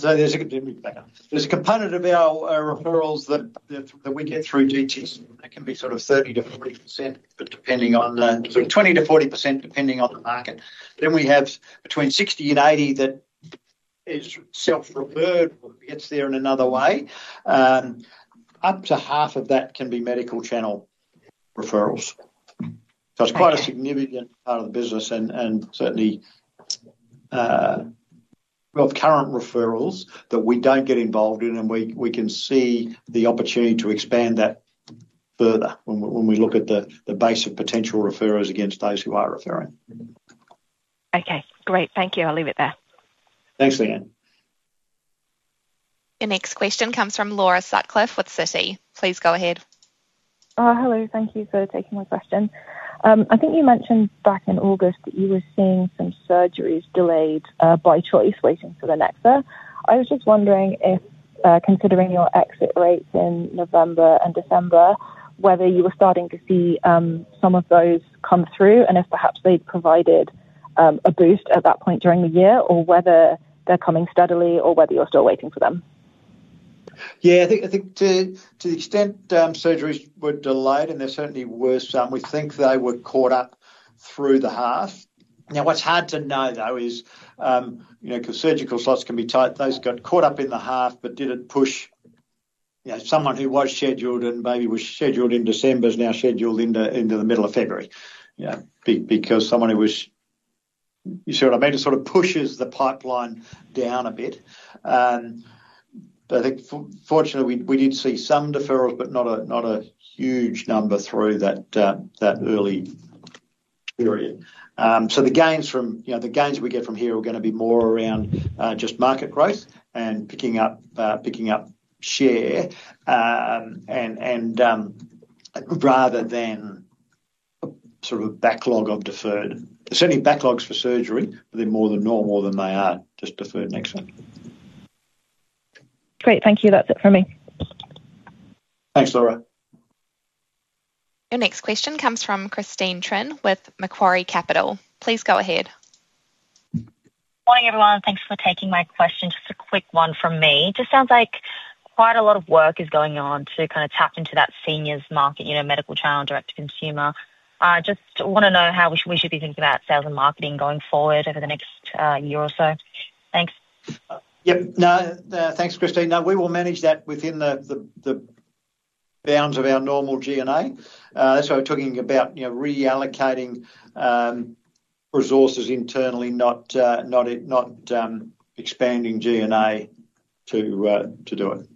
So there's a component of our referrals that we get through GPs, that can be sort of 30%-40%, but depending on the sort of 20%-40%, depending on the market. Then we have between 60% and 80% that is self-referred, or gets there in another way. Up to half of that can be medical channel referrals. Okay. So it's quite a significant part of the business, and certainly of current referrals that we don't get involved in, and we can see the opportunity to expand that further when we look at the base of potential referrers against those who are referring. Okay, great. Thank you. I'll leave it there. Thanks, Lyanne. Your next question comes from Laura Sutcliffe with Citi. Please go ahead. Hello, thank you for taking my question. I think you mentioned back in August that you were seeing some surgeries delayed, by choice, waiting for the Nexa. I was just wondering if, considering your exit rates in November and December, whether you were starting to see some of those come through, and if perhaps they'd provided a boost at that point during the year, or whether they're coming steadily, or whether you're still waiting for them? Yeah, I think to the extent surgeries were delayed, and there certainly were some, we think they were caught up through the half. Now, what's hard to know, though, is you know, 'cause surgical slots can be tight, those got caught up in the half but didn't push. You know, someone who was scheduled and maybe was scheduled in December is now scheduled into the middle of February, you know, because someone who was. You see what I mean? It sort of pushes the pipeline down a bit. But I think fortunately, we did see some deferrals, but not a huge number through that early period. So the gains from, you know, the gains we get from here are gonna be more around just market growth and picking up share, and rather than sort of a backlog of deferred. There's certainly backlogs for surgery, but they're more than normal than they are just deferred Nexa. Great, thank you. That's it for me. Thanks, Laura. Your next question comes from Christine Trinh with Macquarie Capital. Please go ahead. Morning, everyone, and thanks for taking my question. Just a quick one from me. Just sounds like quite a lot of work is going on to kind of tap into that seniors market, you know, medical channel, direct to consumer. I just wanna know how we should be thinking about sales and marketing going forward over the next year or so. Thanks. Yep. No, thanks, Christine. No, we will manage that within the bounds of our normal G&A. That's why we're talking about, you know, reallocating resources internally, not expanding G&A to do it.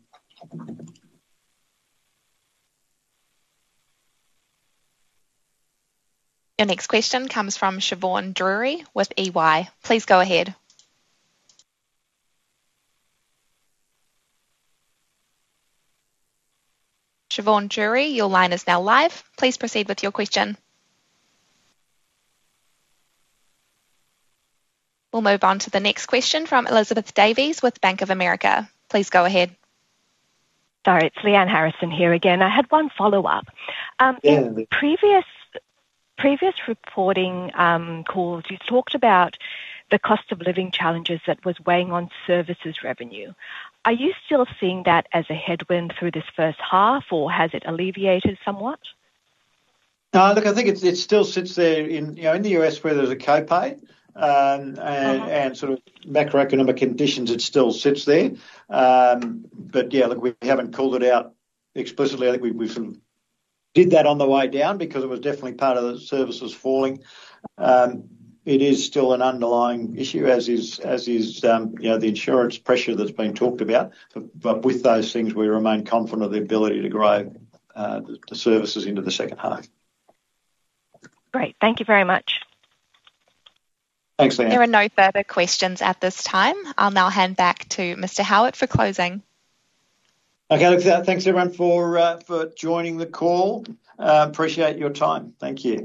Your next question comes from Siobhan Drury with EY. Please go ahead. Siobhan Drury, your line is now live. Please proceed with your question. We'll move on to the next question from Elizabeth Davies with Bank of America. Please go ahead. Sorry, it's Lyanne Harrison here again. I had one follow-up. Yeah. In previous reporting calls, you talked about the cost of living challenges that was weighing on services revenue. Are you still seeing that as a headwind through this first half, or has it alleviated somewhat? Look, I think it still sits there in, you know, in the U.S. where there's a co-pay, and sort of macroeconomic conditions, it still sits there. But yeah, look, we haven't called it out explicitly. I think we sort of did that on the way down because it was definitely part of the services falling. It is still an underlying issue, as is, you know, the insurance pressure that's been talked about. But with those things, we remain confident of the ability to grow the services into the second half. Great. Thank you very much. Thanks, Lyanne. There are no further questions at this time. I'll now hand back to Mr. Howitt for closing. Okay, look, thanks, everyone, for joining the call. Appreciate your time. Thank you.